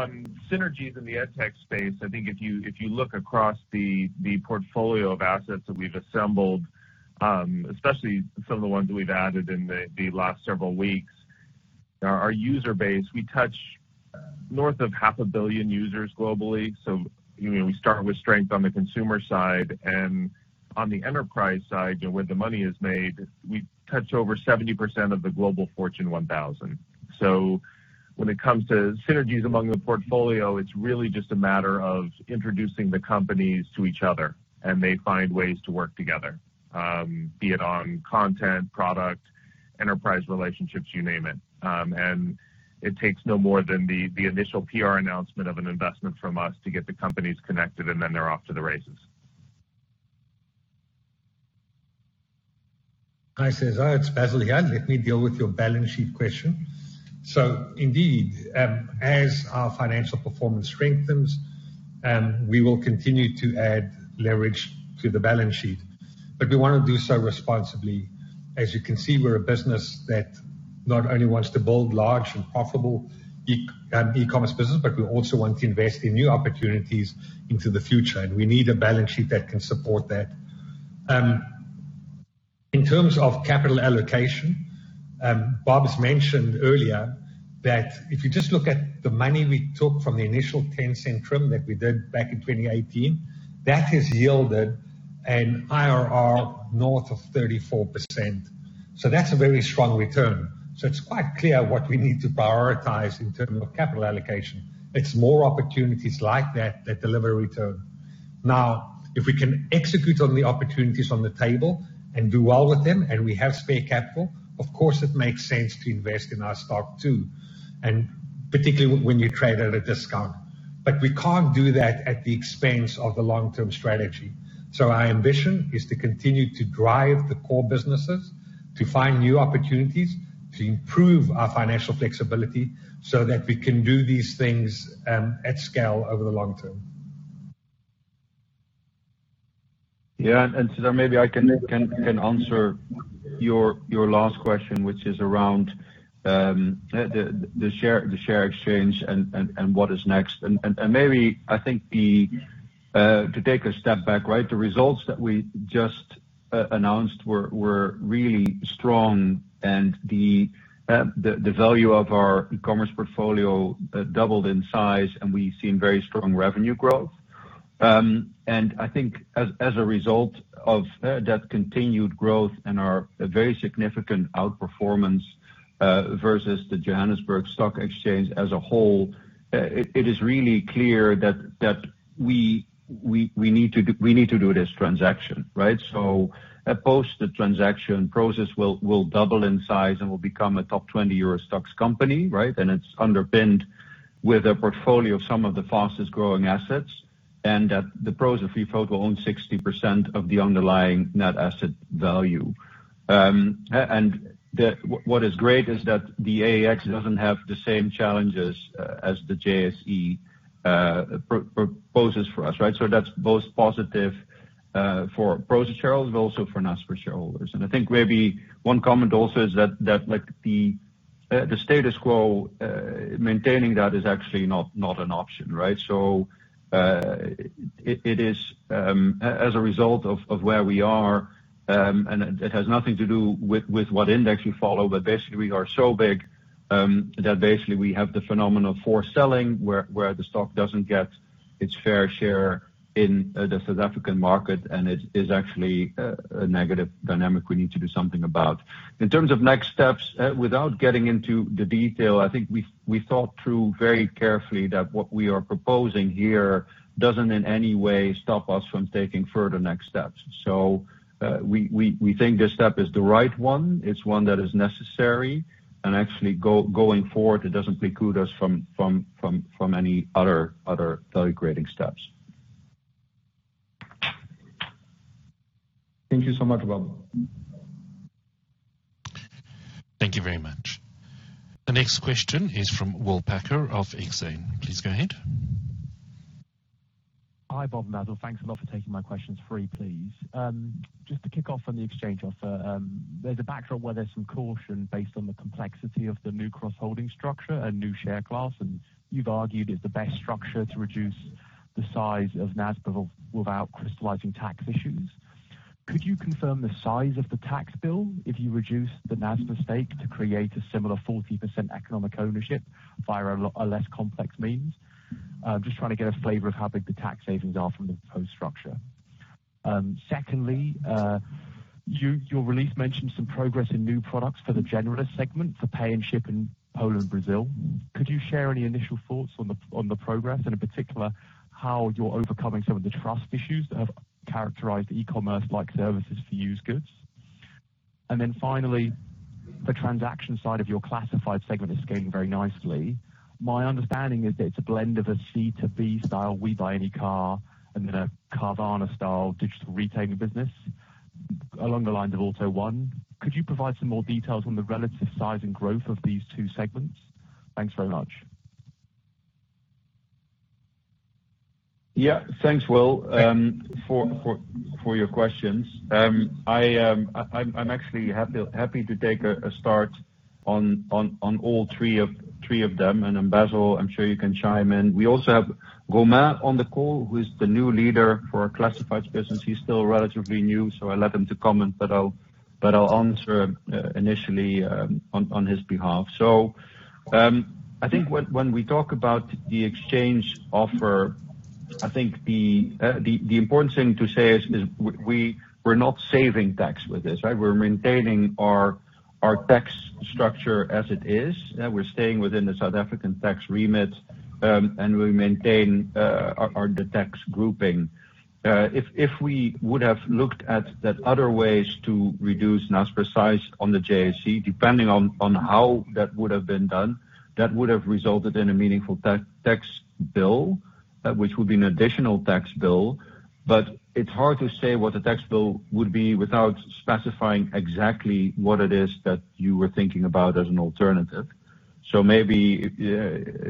On synergies in the EdTech space, I think if you look across the portfolio of assets that we've assembled, especially some of the ones we've added in the last several weeks Our user base, we touch north of half a billion users globally. We start with strength on the consumer side. On the enterprise side, where the money is made, we touch over 70% of the Global Fortune 1000. When it comes to synergies among the portfolio, it's really just a matter of introducing the companies to each other, and they find ways to work together, be it on content, product, enterprise relationships, you name it. It takes no more than the initial PR announcement of an investment from us to get the companies connected, and then they're off to the races. Hi, Cesar, it's Basil here. Let me deal with your balance sheet question. Indeed, as our financial performance strengthens, we will continue to add leverage to the balance sheet. We want to do so responsibly. As you can see, we're a business that not only wants to build large and profitable e-commerce business, but we also want to invest in new opportunities into the future, and we need a balance sheet that can support that. In terms of capital allocation, Bob's mentioned earlier that if you just look at the money we took from the initial Tencent trim that we did back in 2018, that has yielded an IRR north of 34%. That's a very strong return. It's quite clear what we need to prioritize in terms of capital allocation. It's more opportunities like that deliver return. Now, if we can execute on the opportunities on the table and do well with them, and we have spare capital, of course, it makes sense to invest in our stock too, and particularly when you trade at a discount. we can't do that at the expense of the long-term strategy. Our ambition is to continue to drive the core businesses, to find new opportunities, to improve our financial flexibility so that we can do these things at scale over the long term. Yeah, maybe I can answer your last question, which is around the share exchange and what is next. Maybe I think to take a step back, the results that we just announced were really strong, and the value of our e-commerce portfolio doubled in size, and we've seen very strong revenue growth. I think as a result of that continued growth and our very significant outperformance versus the Johannesburg Stock Exchange as a whole, it is really clear that we need to do this transaction, right? Post the transaction, Prosus will double in size and will become a top 20 Euro Stoxx company. It's underpinned with a portfolio of some of the fastest-growing assets, and that the Prosus, if you focus on 60% of the underlying net asset value. What is great is that the AEX doesn't have the same challenges as the JSE imposes for us, right? That's both positive for Prosus shareholders, but also for Naspers shareholders. I think maybe one comment also is that the status quo, maintaining that is actually not an option, right? It is as a result of where we are, and it has nothing to do with what index you follow. Basically, we are so big that basically we have the phenomenon of forced selling, where the stock doesn't get its fair share in the South African market, and it is actually a negative dynamic we need to do something about. In terms of next steps, without getting into the detail, I think we thought through very carefully that what we are proposing here doesn't in any way stop us from taking further next steps. We think this step is the right one. It's one that is necessary, and actually going forward, it doesn't preclude us from any other value-creating steps. Thank you so much, Bob. Thank you very much. The next question is from William Packer of Exane. Please go ahead. Hi, Bob, Basil. Thanks a lot for taking my questions. Three, please. Just to kick off on the exchange offer, there's a backdrop where there's some caution based on the complexity of the new cross-holding structure and new share class, and you've argued it's the best structure to reduce the size of Naspers without crystallizing tax issues. Could you confirm the size of the tax bill if you reduce the Naspers stake to create a similar 40% economic ownership via a less complex means? Just trying to get a flavor of how big the tax savings are from the proposed structure. Secondly, your release mentioned some progress in new products for the generalist segment for pay and ship in Poland, Brazil. Could you share any initial thoughts on the progress and in particular how you're overcoming some of the trust issues that have characterized e-commerce like services for used goods? Finally, the transaction side of your Classified segment is going very nicely. My understanding is it's a blend of a C2B-style "WeBuyAnyCar" and then a "Carvana style" digital retailing business along the lines of AUTO1. Could you provide some more details on the relative size and growth of these two segments? Thanks very much. Yeah. Thanks, Will, for your questions. I'm actually happy to take a start on all three of them, and then Basil, I'm sure you can chime in. We also have Romain on the call, who is the new leader for our Classified business. He's still relatively new, so I'll have him to comment, but I'll answer initially on his behalf. I think when we talk about the exchange offer I think the important thing to say is we're not saving tax with this. We're maintaining our tax structure as it is. We're staying within the South African tax remit, and we maintain the tax grouping. If we would have looked at other ways to reduce Naspers' size on the JSE, depending on how that would have been done, that would have resulted in a meaningful tax bill, which would be an additional tax bill. it's hard to say what the tax bill would be without specifying exactly what it is that you were thinking about as an alternative. maybe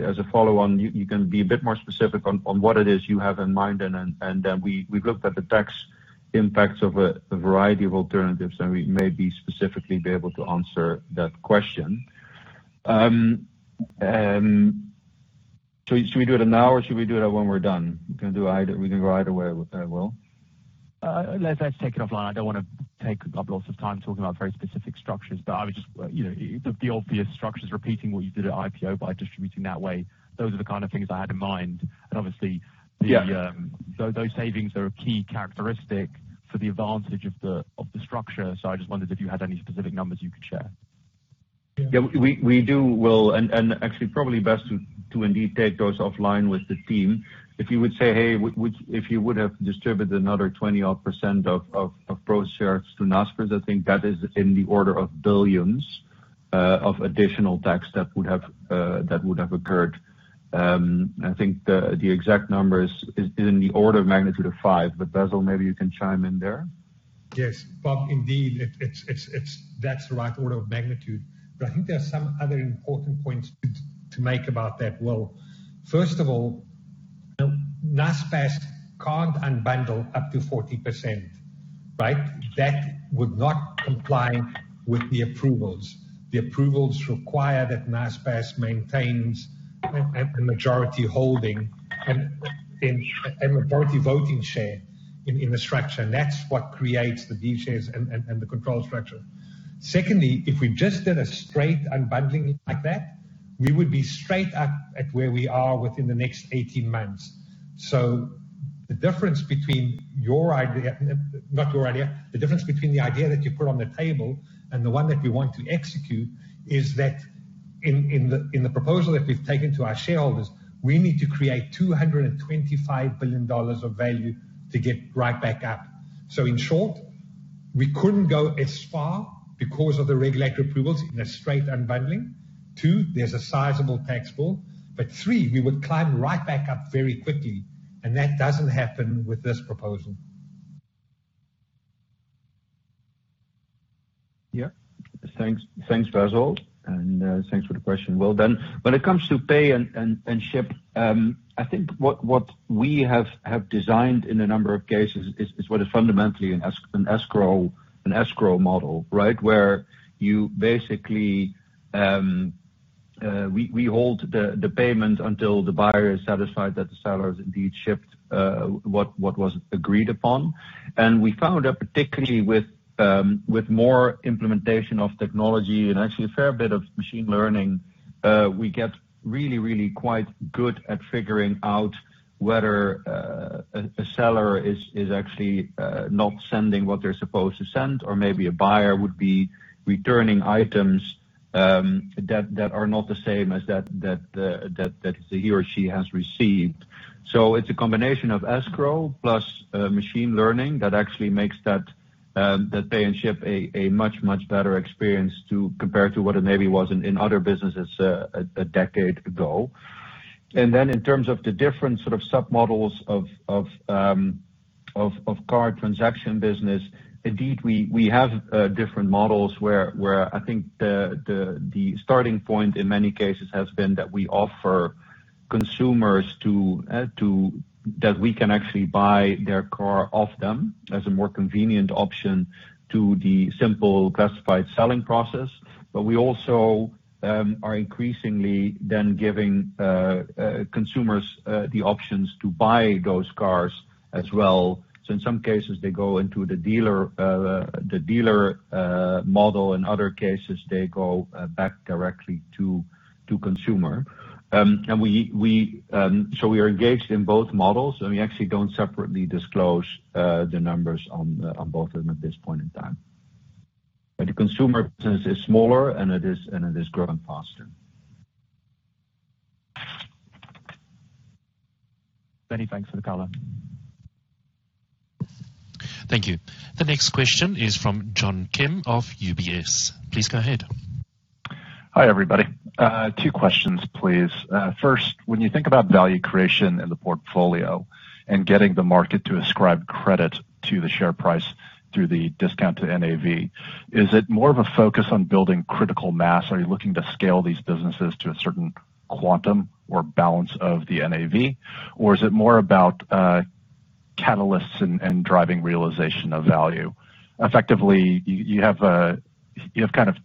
as a follow-on, you can be a bit more specific on what it is you have in mind, and then we looked at the tax impacts of a variety of alternatives, and we may be specifically be able to answer that question. Should we do it now, or should we do it when we're done? We can do either. We can do it right away, Will. Let's take it offline. I don't want to take up lots of time talking about very specific structures, but the obvious structures, repeating what you did at IPO by distributing that way, those are the kind of things I had in mind. obviously- Yeah Those savings are a key characteristic for the advantage of the structure. I just wondered if you had any specific numbers you could share. Yeah, we do, Will, and actually probably best to indeed take those offline with the team. If you would say, hey, if you would have distributed another 20% of Prosus shares to Naspers, I think that is in the order of billions of additional tax that would have occurred. I think the exact number is in the order of magnitude of five. Basil, maybe you can chime in there. Yes. Indeed, that's the right order of magnitude. I think there's some other important points to make about that, Will. First of all, Naspers can't unbundle up to 40%. That would not comply with the approvals. The approvals require that Naspers maintains a majority holding and a majority voting share in the structure. That's what creates the V shares and the control structure. Secondly, if we just did a straight unbundling like that, we would be straight up at where we are within the next 18 months. The difference between the idea that you put on the table and the one that we want to execute is that in the proposal that we've taken to our shareholders, we need to create $225 billion of value to get right back up. In short, we couldn't go as far because of the regulatory approvals in a straight unbundling. Two, there's a sizable tax bill. Three, we would climb right back up very quickly, and that doesn't happen with this proposal. Yeah. Thanks, Basil, and thanks for the question, Will. When it comes to pay and ship, I think what we have designed in a number of cases is what is fundamentally an escrow model. Where we hold the payment until the buyer is satisfied that the seller has indeed shipped what was agreed upon. We found that particularly with more implementation of technology and actually a fair bit of machine learning, we get really quite good at figuring out whether a seller is actually not sending what they're supposed to send or maybe a buyer would be returning items that are not the same as he or she has received. It's a combination of escrow plus machine learning that actually makes that pay and ship a much better experience compared to what it maybe was in other businesses a decade ago. In terms of the different sort of sub-models of car transaction business, indeed, we have different models where I think the starting point in many cases has been that we offer consumers that we can actually buy their car off them as a more convenient option to the simple classified selling process. We also are increasingly then giving consumers the options to buy those cars as well. In some cases, they go into the dealer model. In other cases, they go back directly to consumer. We are engaged in both models, and we actually don't separately disclose the numbers on both of them at this point in time. The consumer business is smaller, and it is growing faster. Many thanks for the color. Thank you. The next question is from John Kim of UBS. Please go ahead. Hi, everybody. Two questions, please. First, when you think about value creation in the portfolio and getting the market to ascribe credit to the share price through the discount to NAV, is it more of a focus on building critical mass? Are you looking to scale these businesses to a certain quantum or balance of the NAV? Is it more about catalysts and driving realization of value? Effectively, you have kind of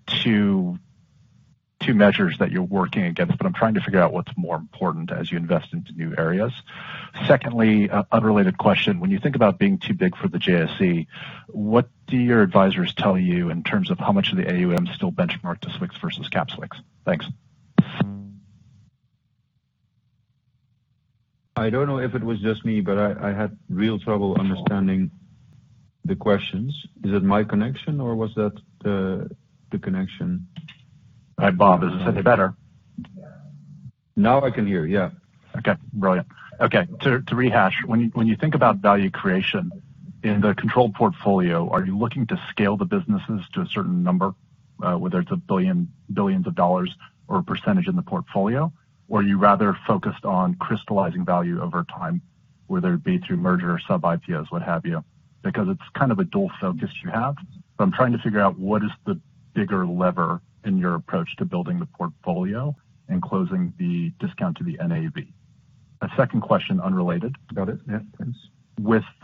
two measures that you're working against, but I'm trying to figure out what's more important as you invest into new areas. Secondly, unrelated question. When you think about being too big for the JSE, what do your advisors tell you in terms of how much of the AUM is still benchmarked to SWIX versus Capped SWIX? Thanks. I don't know if it was just me, but I had real trouble understanding the questions. Is it my connection or was that the connection? Hi, Bob. Is it better? Now I can hear you, yeah. Okay, brilliant. Okay, to rehash, when you think about value creation in the controlled portfolio, are you looking to scale the businesses to a certain number, whether it's billions of dollars or a percentage in the portfolio? Are you rather focused on crystallizing value over time, whether it be through merger or sub IPOs, what have you? Because it's kind of a dual focus you have. I'm trying to figure out what is the bigger lever in your approach to building the portfolio and closing the discount to the NAV. A second question, unrelated. Got it. Yeah, please.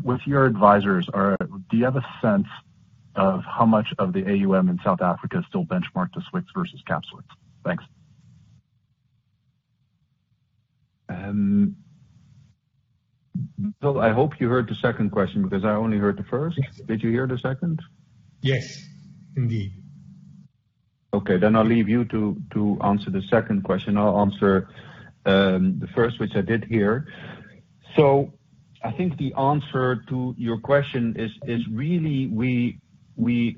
With your advisors, do you have a sense of how much of the AUM in South Africa is still benchmarked to SWIX versus Capped SWIX? Thanks. Basil, I hope you heard the second question because I only heard the first. Did you hear the second? Yes, indeed. Okay, I'll leave you to answer the second question. I'll answer the first, which I did hear. I think the answer to your question is really we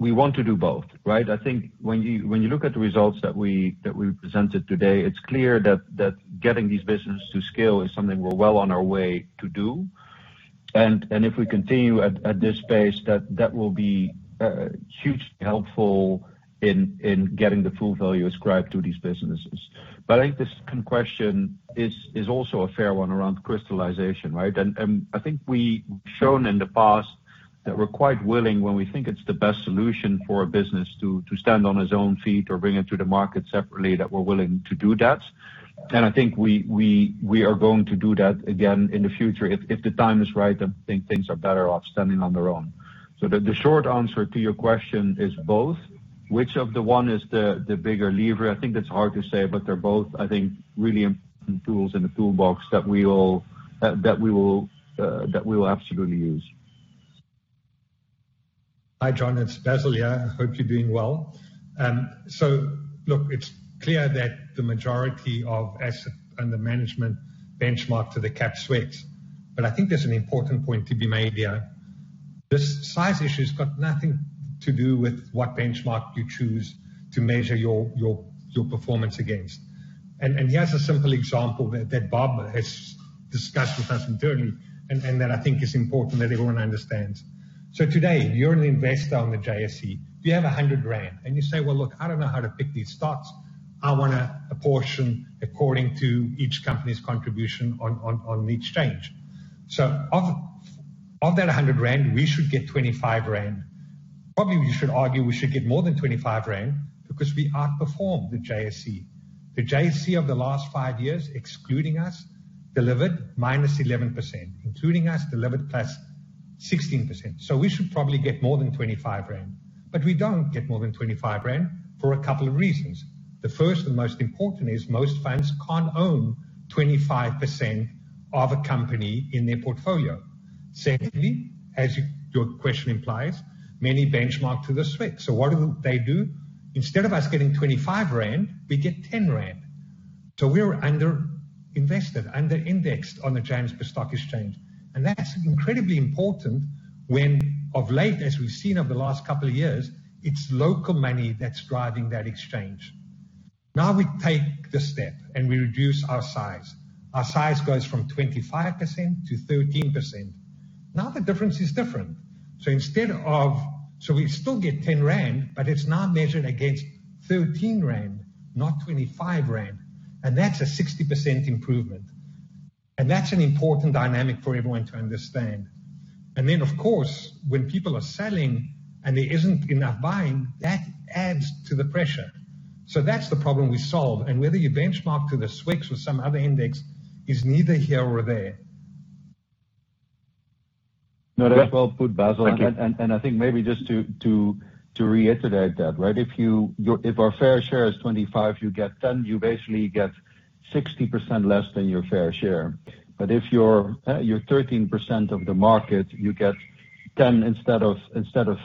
want to do both, right? I think when you look at the results that we presented today, it's clear that getting these businesses to scale is something we're well on our way to do. If we continue at this pace, that will be hugely helpful in getting the full value ascribed to these businesses. I think the second question is also a fair one around crystallization, right? I think we've shown in the past that we're quite willing, when we think it's the best solution for a business to stand on its own feet or bring it to the market separately, that we're willing to do that. I think we are going to do that again in the future if the time is right and think things are better off standing on their own. The short answer to your question is both. Which of the one is the bigger lever? I think that's hard to say, but they're both, I think, really important tools in the toolbox that we will absolutely use. Hi, John, it's Basil here. Hope you're doing well. Look, it's clear that the majority of assets under management benchmark to the Capped SWIX. I think there's an important point to be made here. The size issue has got nothing to do with what benchmark you choose to measure your performance against. Here's a simple example that Bob has discussed with us internally, and that I think is important that everyone understands. Today, you're an investor on the JSE. You have 100 rand, and you say, "Well, look, I don't know how to pick these stocks. I want a portion according to each company's contribution on the exchange." Of that 100 rand, we should get 25 rand. Probably, we should argue we should get more than 25 rand because we outperformed the JSE. The JSE of the last five years, excluding us, delivered -11%. Including us, delivered +16%. We should probably get more than 25 rand]. We don't get more than 25 rand for a couple of reasons. The first and most important is most funds can't own 25% of a company in their portfolio. Secondly, as your question implies, many benchmark to the SWIX. What do they do? Instead of us getting 25 rand, we get 10 rand. We were under-invested, under-indexed on the Johannesburg Stock Exchange. That's incredibly important when, of late, as we've seen over the last couple of years, it's local money that's driving that exchange. Now we take the step, and we reduce our size. Our size goes from 25% to 13%. Now the difference is different. We still get 10 rand, but it's now measured against 13 rand, not 25 rand, and that's a 60% improvement. That's an important dynamic for everyone to understand. Of course, when people are selling and there isn't enough buying, that adds to the pressure. That's the problem we solved, and whether you benchmark to the SWIX or some other index is neither here or there. No, that's well put, Basil. I think maybe just to reiterate that, right? If our fair share is 25, you get 10, you basically get 60% less than your fair share. If you're 13% of the market, you get 10 instead of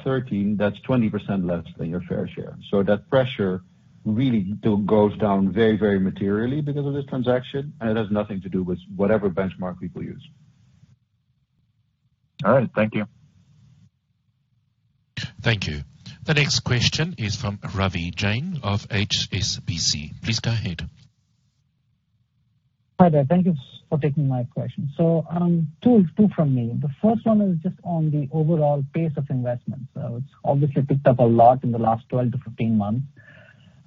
13, that's 20% less than your fair share. That pressure really goes down very, very materially because of this transaction, and it has nothing to do with whatever benchmark people use. All right. Thank you. Thank you. The next question is from Ravi Jain of HSBC. Please go ahead. Hi there. Thank you for taking my question. Two from me. The first one is just on the overall pace of investments. It's obviously picked up a lot in the last 12-15 months.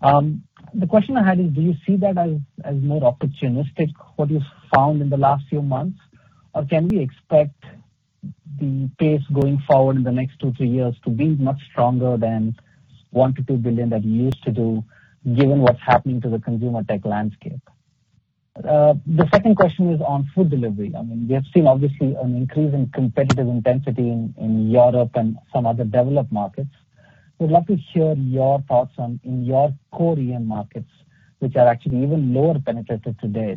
The question I had is, do you see that as more opportunistic, what you found in the last few months? Can we expect the pace going forward in the next two to three years to be much stronger than $1 billion to $2 billion that you used to do, given what's happening to the consumer tech landscape? The second question is on Food Delivery. I mean, we have seen obviously an increase in competitive intensity in Europe and some other developed markets. I'd love to hear your thoughts on, in your core markets, which are actually even lower penetrated today.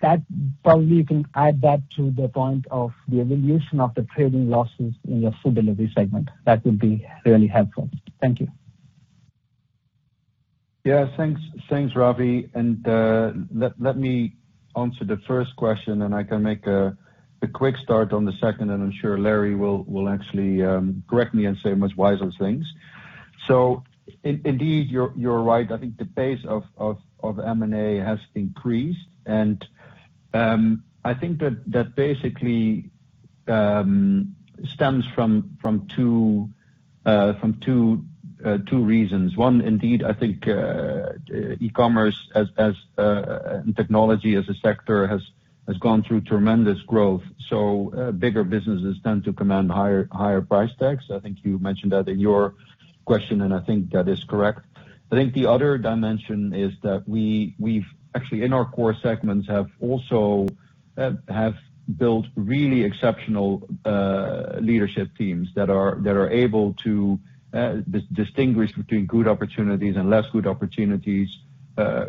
That probably you can add that to the point of the evolution of the trading losses in your Food Delivery segment. That would be really helpful. Thank you. Yeah, thanks, Ravi. Let me answer the first question, and I can make a quick start on the second, and I'm sure Larry will actually correct me and say much wiser things. Indeed, you're right. I think the pace of M&A has increased, and I think that basically stems from two reasons. One, indeed, I think e-commerce and technology as a sector has gone through tremendous growth, so bigger businesses tend to command higher price tags. I think you mentioned that in your question, and I think that is correct. I think the other dimension is that we've actually, in our core segments, have also built really exceptional leadership teams that are able to distinguish between good opportunities and less good opportunities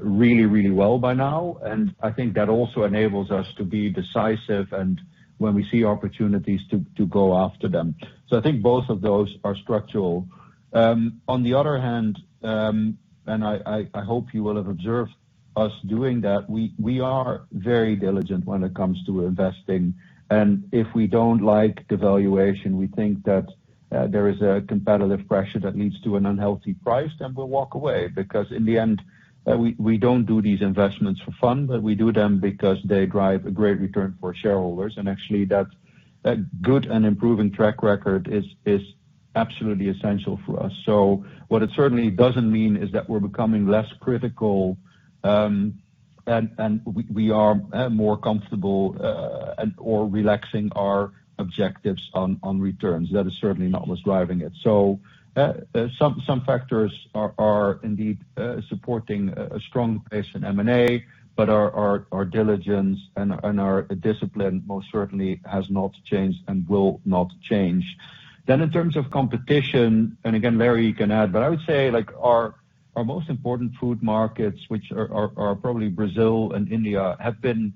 really well by now. I think that also enables us to be decisive and when we see opportunities to go after them. I think both of those are structural. On the other hand, and I hope you will have observed us doing that, we are very diligent when it comes to investing, and if we don't like the valuation, we think that there is a competitive pressure that leads to an unhealthy price, then we'll walk away. Because in the end, we don't do these investments for fun, but we do them because they drive a great return for shareholders. actually, that good and improving track record is absolutely essential for us. what it certainly doesn't mean is that we're becoming less critical, and we are more comfortable or relaxing our objectives on returns. That is certainly not what's driving it. some factors are indeed supporting a strong pace in M&A, but our diligence and our discipline most certainly has not changed and will not change. in terms of competition, and again, Larry, you can add, but I would say our most important food markets, which are probably Brazil and India, have been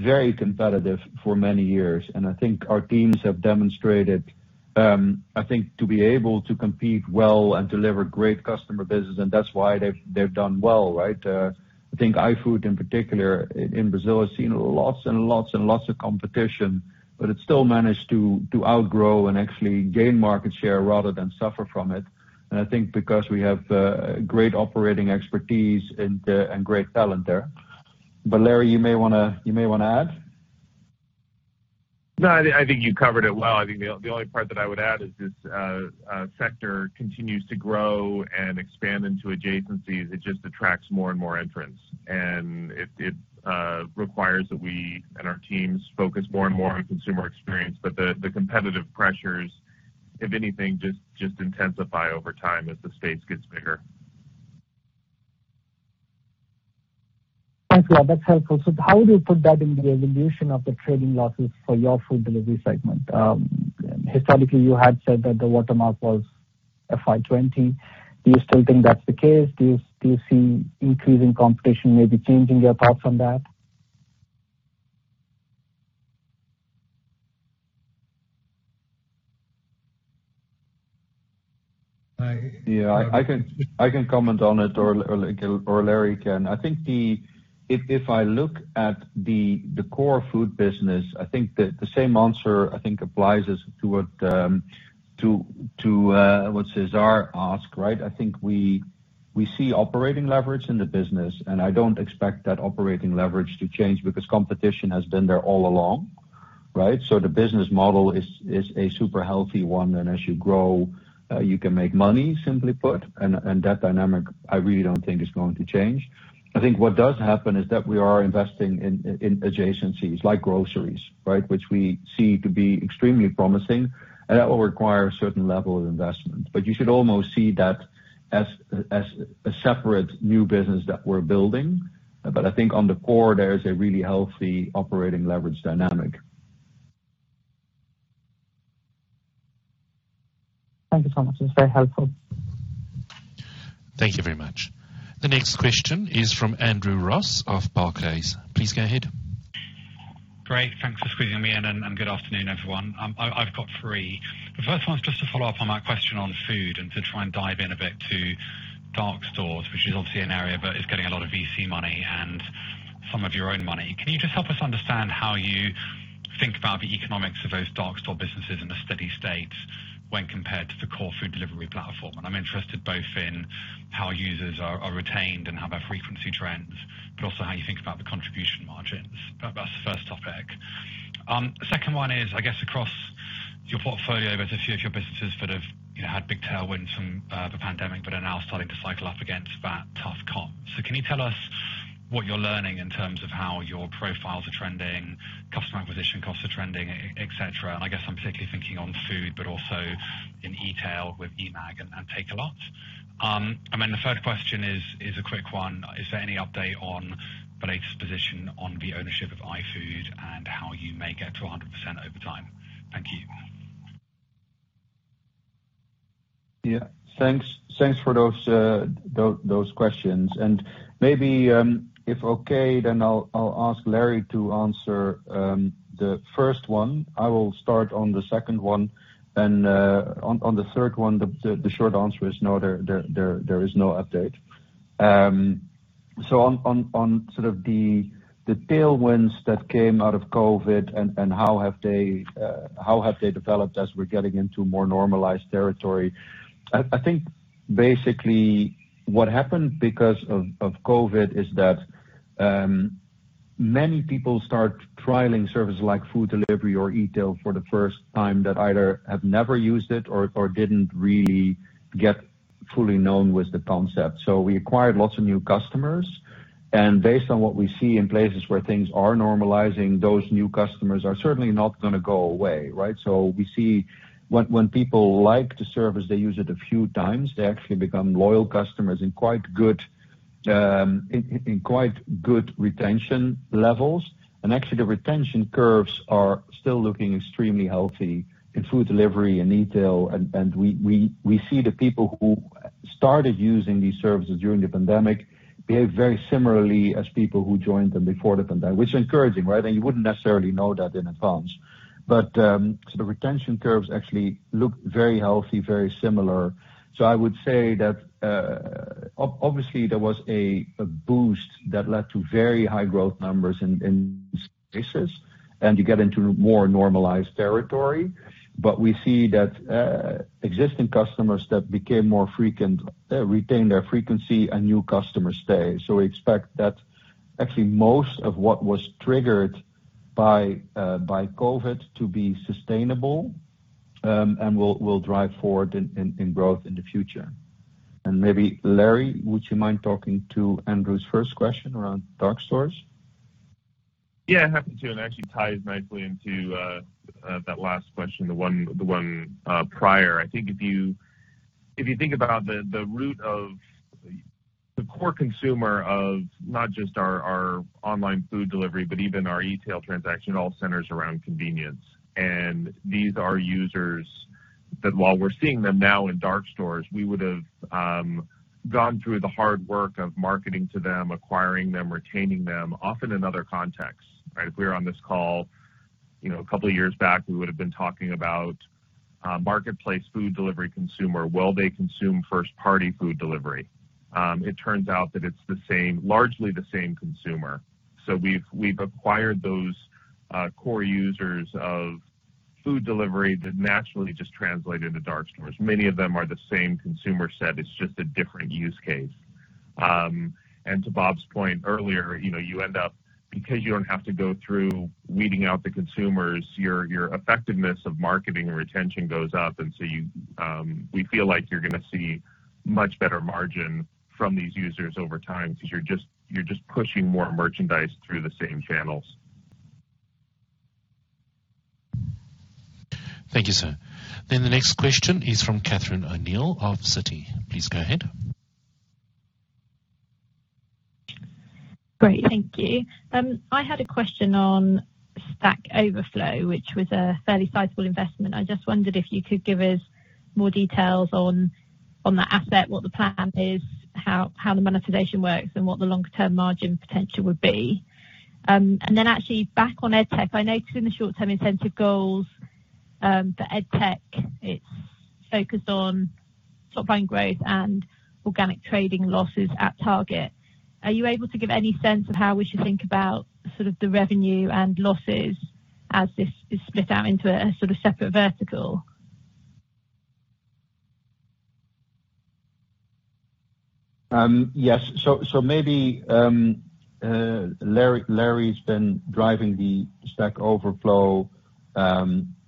very competitive for many years. I think our teams have demonstrated, I think, to be able to compete well and deliver great customer business, and that's why they've done well, right? I think iFood in particular in Brazil, has seen lots and lots of competition, but it still managed to outgrow and actually gain market share rather than suffer from it. I think because we have great operating expertise and great talent there. Larry, you may want to add? No, I think you covered it well. I think the only part that I would add is this sector continues to grow and expand into adjacencies. It just attracts more and more entrants, and it requires that we and our teams focus more and more on consumer experience. The competitive pressures, if anything, just intensify over time as the space gets bigger. Thank you. That's helpful. How do you put that in the evolution of the trading losses for your food delivery segment? Historically, you had said that the watermark was FY 2020. Do you still think that's the case? Do you see increasing competition maybe changing your thoughts on that? Yeah, I can comment on it or Larry can. I think if I look at the core food business, I think the same answer, I think applies as to what Cesar asked, right? I think we see operating leverage in the business, and I don't expect that operating leverage to change because competition has been there all along, right? the business model is a super healthy one, and as you grow, you can make money, simply put, and that dynamic, I really don't think is going to change. I think what does happen is that we are investing in adjacencies like groceries, right? Which we see to be extremely promising, and that will require a certain level of investment. you should almost see that as a separate new business that we're building. I think on the core, there is a really healthy operating leverage dynamic. Thank you so much. That's very helpful. Thank you very much. The next question is from Andrew Ross of Barclays. Please go ahead. Great. Thanks for squeezing me in and good afternoon, everyone. I've got three. The first one's just to follow up on that question on food and to try and dive in a bit to dark stores, which is obviously an area that is getting a lot of VC money and some of your own money. Can you just help us understand how you think about the economics of those dark store businesses in a steady state when compared to the core food delivery platform? I'm interested both in how users are retained and how their frequency trends, but also how you think about the contribution margins. That's the first topic. The second one is, I guess across your portfolio versus your businesses that have had big tailwinds from the pandemic but are now starting to cycle up against that tough comp. Can you tell us what you're learning in terms of how your profiles are trending, customer acquisition costs are trending, et cetera? I guess I'm particularly thinking on food, but also in Etail with eMAG and Takealot. the third question is a quick one. Is there any update on the latest position on the ownership of iFood and how you may get to 100% over time? Thank you. Yeah. Thanks for those questions. Maybe if okay, then I'll ask Larry to answer the first one. I will start on the second one, and on the third one, the short answer is no, there is no update. On sort of the tailwinds that came out of COVID and how have they developed as we're getting into more normalized territory. I think basically what happened because of COVID is that many people start trialing services like Food Delivery or Etail for the first time that either have never used it or didn't really get fully known with the concept. We acquired lots of new customers, and based on what we see in places where things are normalizing, those new customers are certainly not going to go away, right? We see when people like the service, they use it a few times, they actually become loyal customers in quite good retention levels. Actually, the retention curves are still looking extremely healthy in Food Delivery and Etail. We see the people who started using these services during the pandemic behave very similarly as people who joined them before the pandemic, which is encouraging, right? You wouldn't necessarily know that in advance. The retention curves actually look very healthy, very similar. I would say that, obviously, there was a boost that led to very high growth numbers in spaces and to get into more normalized territory. We see that existing customers that became more frequent retain their frequency and new customers stay. We expect that actually most of what was triggered by COVID to be sustainable and will drive forward in growth in the future. Maybe Larry, would you mind talking to Andrew's first question around dark stores? Yeah, happy to. Actually ties nicely into that last question, the one prior. I think if you think about the root of the core consumer of not just our online Food Delivery, but even our Etail transaction, all centers around convenience. These are users that while we're seeing them now in dark stores, we would have gone through the hard work of marketing to them, acquiring them, retaining them, often in other contexts, right? If we were on this call a couple of years back, we would've been talking about marketplace food delivery consumer. Will they consume first-party food delivery? It turns out that it's largely the same consumer. We've acquired those core users of food delivery that naturally just translate into dark stores. Many of them are the same consumer set. It's just a different use case. To Bob's point earlier, you end up, because you don't have to go through weeding out the consumers, your effectiveness of marketing retention goes up. We feel like you're going to see much better margin from these users over time because you're just pushing more merchandise through the same channels. Thank you, sir. The next question is from Catherine O'Neill of Citi. Please go ahead. Great. Thank you. I had a question on Stack Overflow, which was a fairly sizable investment. I just wondered if you could give us more details on that asset, what the plan is, how the monetization works, and what the longer-term margin potential would be. Then actually back on EdTech, I know some of the short-term incentive goals for EdTech, it's focused on top-line growth and organic trading losses at target. Are you able to give any sense of how we should think about sort of the revenue and losses as this is split out into a sort of separate vertical? Yes. Maybe Larry's been driving the Stack Overflow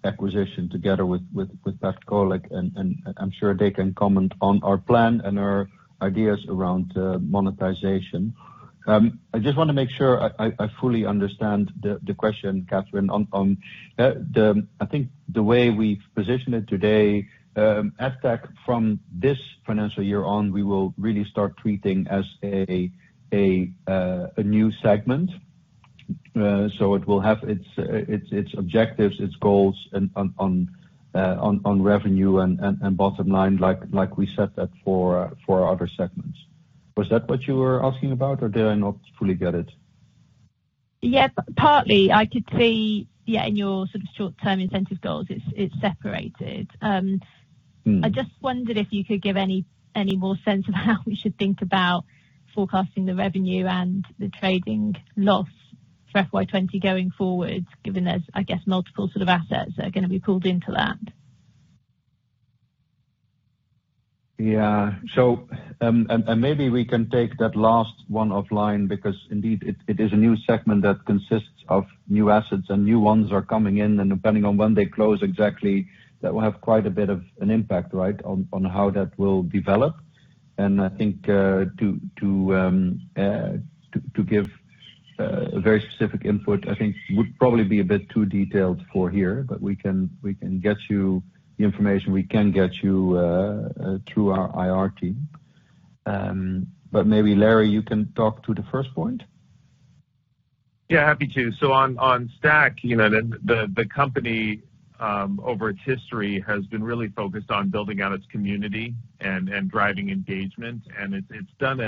acquisition together with Pat Kolek, and I'm sure they can comment on our plan and our ideas around monetization. I just want to make sure I fully understand the question, Catherine, on the, I think the way we position it today, EdTech from this financial year on, we will really start treating as a new segment. It will have its objectives, its goals on revenue and bottom line, like we set that for our other segments. Was that what you were asking about, or did I not fully get it? Yeah, partly. I could see in your sort of short-term incentive goals it's separated. I just wondered if you could give any more sense of how we should think about forecasting the revenue and the trading loss for FY 2020 going forward, given there's, I guess, multiple sort of assets that are going to be pulled into that. Yeah. Maybe we can take that last one offline because indeed it is a new segment that consists of new assets and new ones are coming in, and depending on when they close exactly, that will have quite a bit of an impact on how that will develop. I think to give a very specific input, I think would probably be a bit too detailed for here, but we can get you the information we can get you through our IR team. Maybe Larry, you can talk to the first point? Yeah, happy to. On Stack Overflow, the company over its history has been really focused on building out its community and driving engagement, and it's done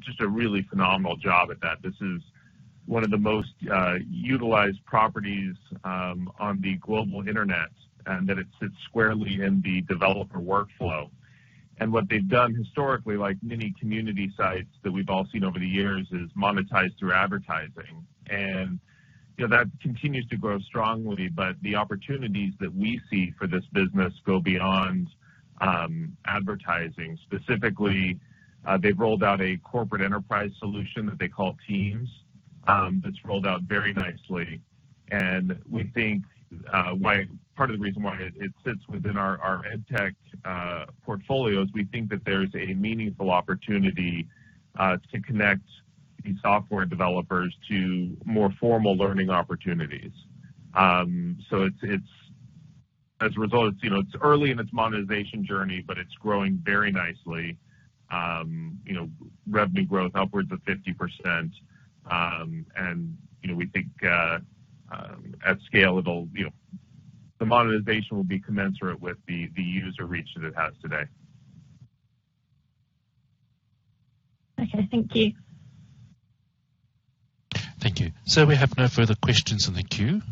just a really phenomenal job at that. This is one of the most utilized properties on the global internet, and that it sits squarely in the developer workflow. What they've done historically, like many community sites that we've all seen over the years, is monetize through advertising. That continues to grow strongly, but the opportunities that we see for this business go beyond advertising. Specifically, they've rolled out a corporate enterprise solution that they call Teams, that's rolled out very nicely. We think part of the reason why it sits within our EdTech portfolios we think that there's a meaningful opportunity to connect these software developers to more formal learning opportunities. As a result, it's early in its monetization journey, but it's growing very nicely. Revenue growth upwards of 50%, and we think at scale, the monetization will be commensurate with the user reach that it has today. Okay, thank you. Thank you. We have no further questions in the queue.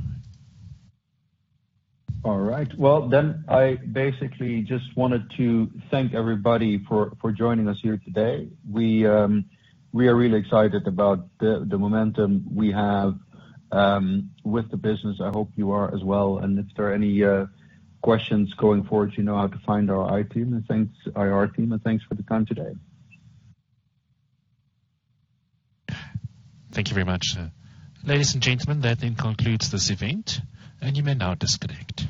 All right. Well, I basically just wanted to thank everybody for joining us here today. We are really excited about the momentum we have with the business. I hope you are as well. If there are any questions going forward, you know how to find our IR team, and thanks for the time today. Thank you very much. Ladies and gentlemen, that then concludes this event, and you may now disconnect.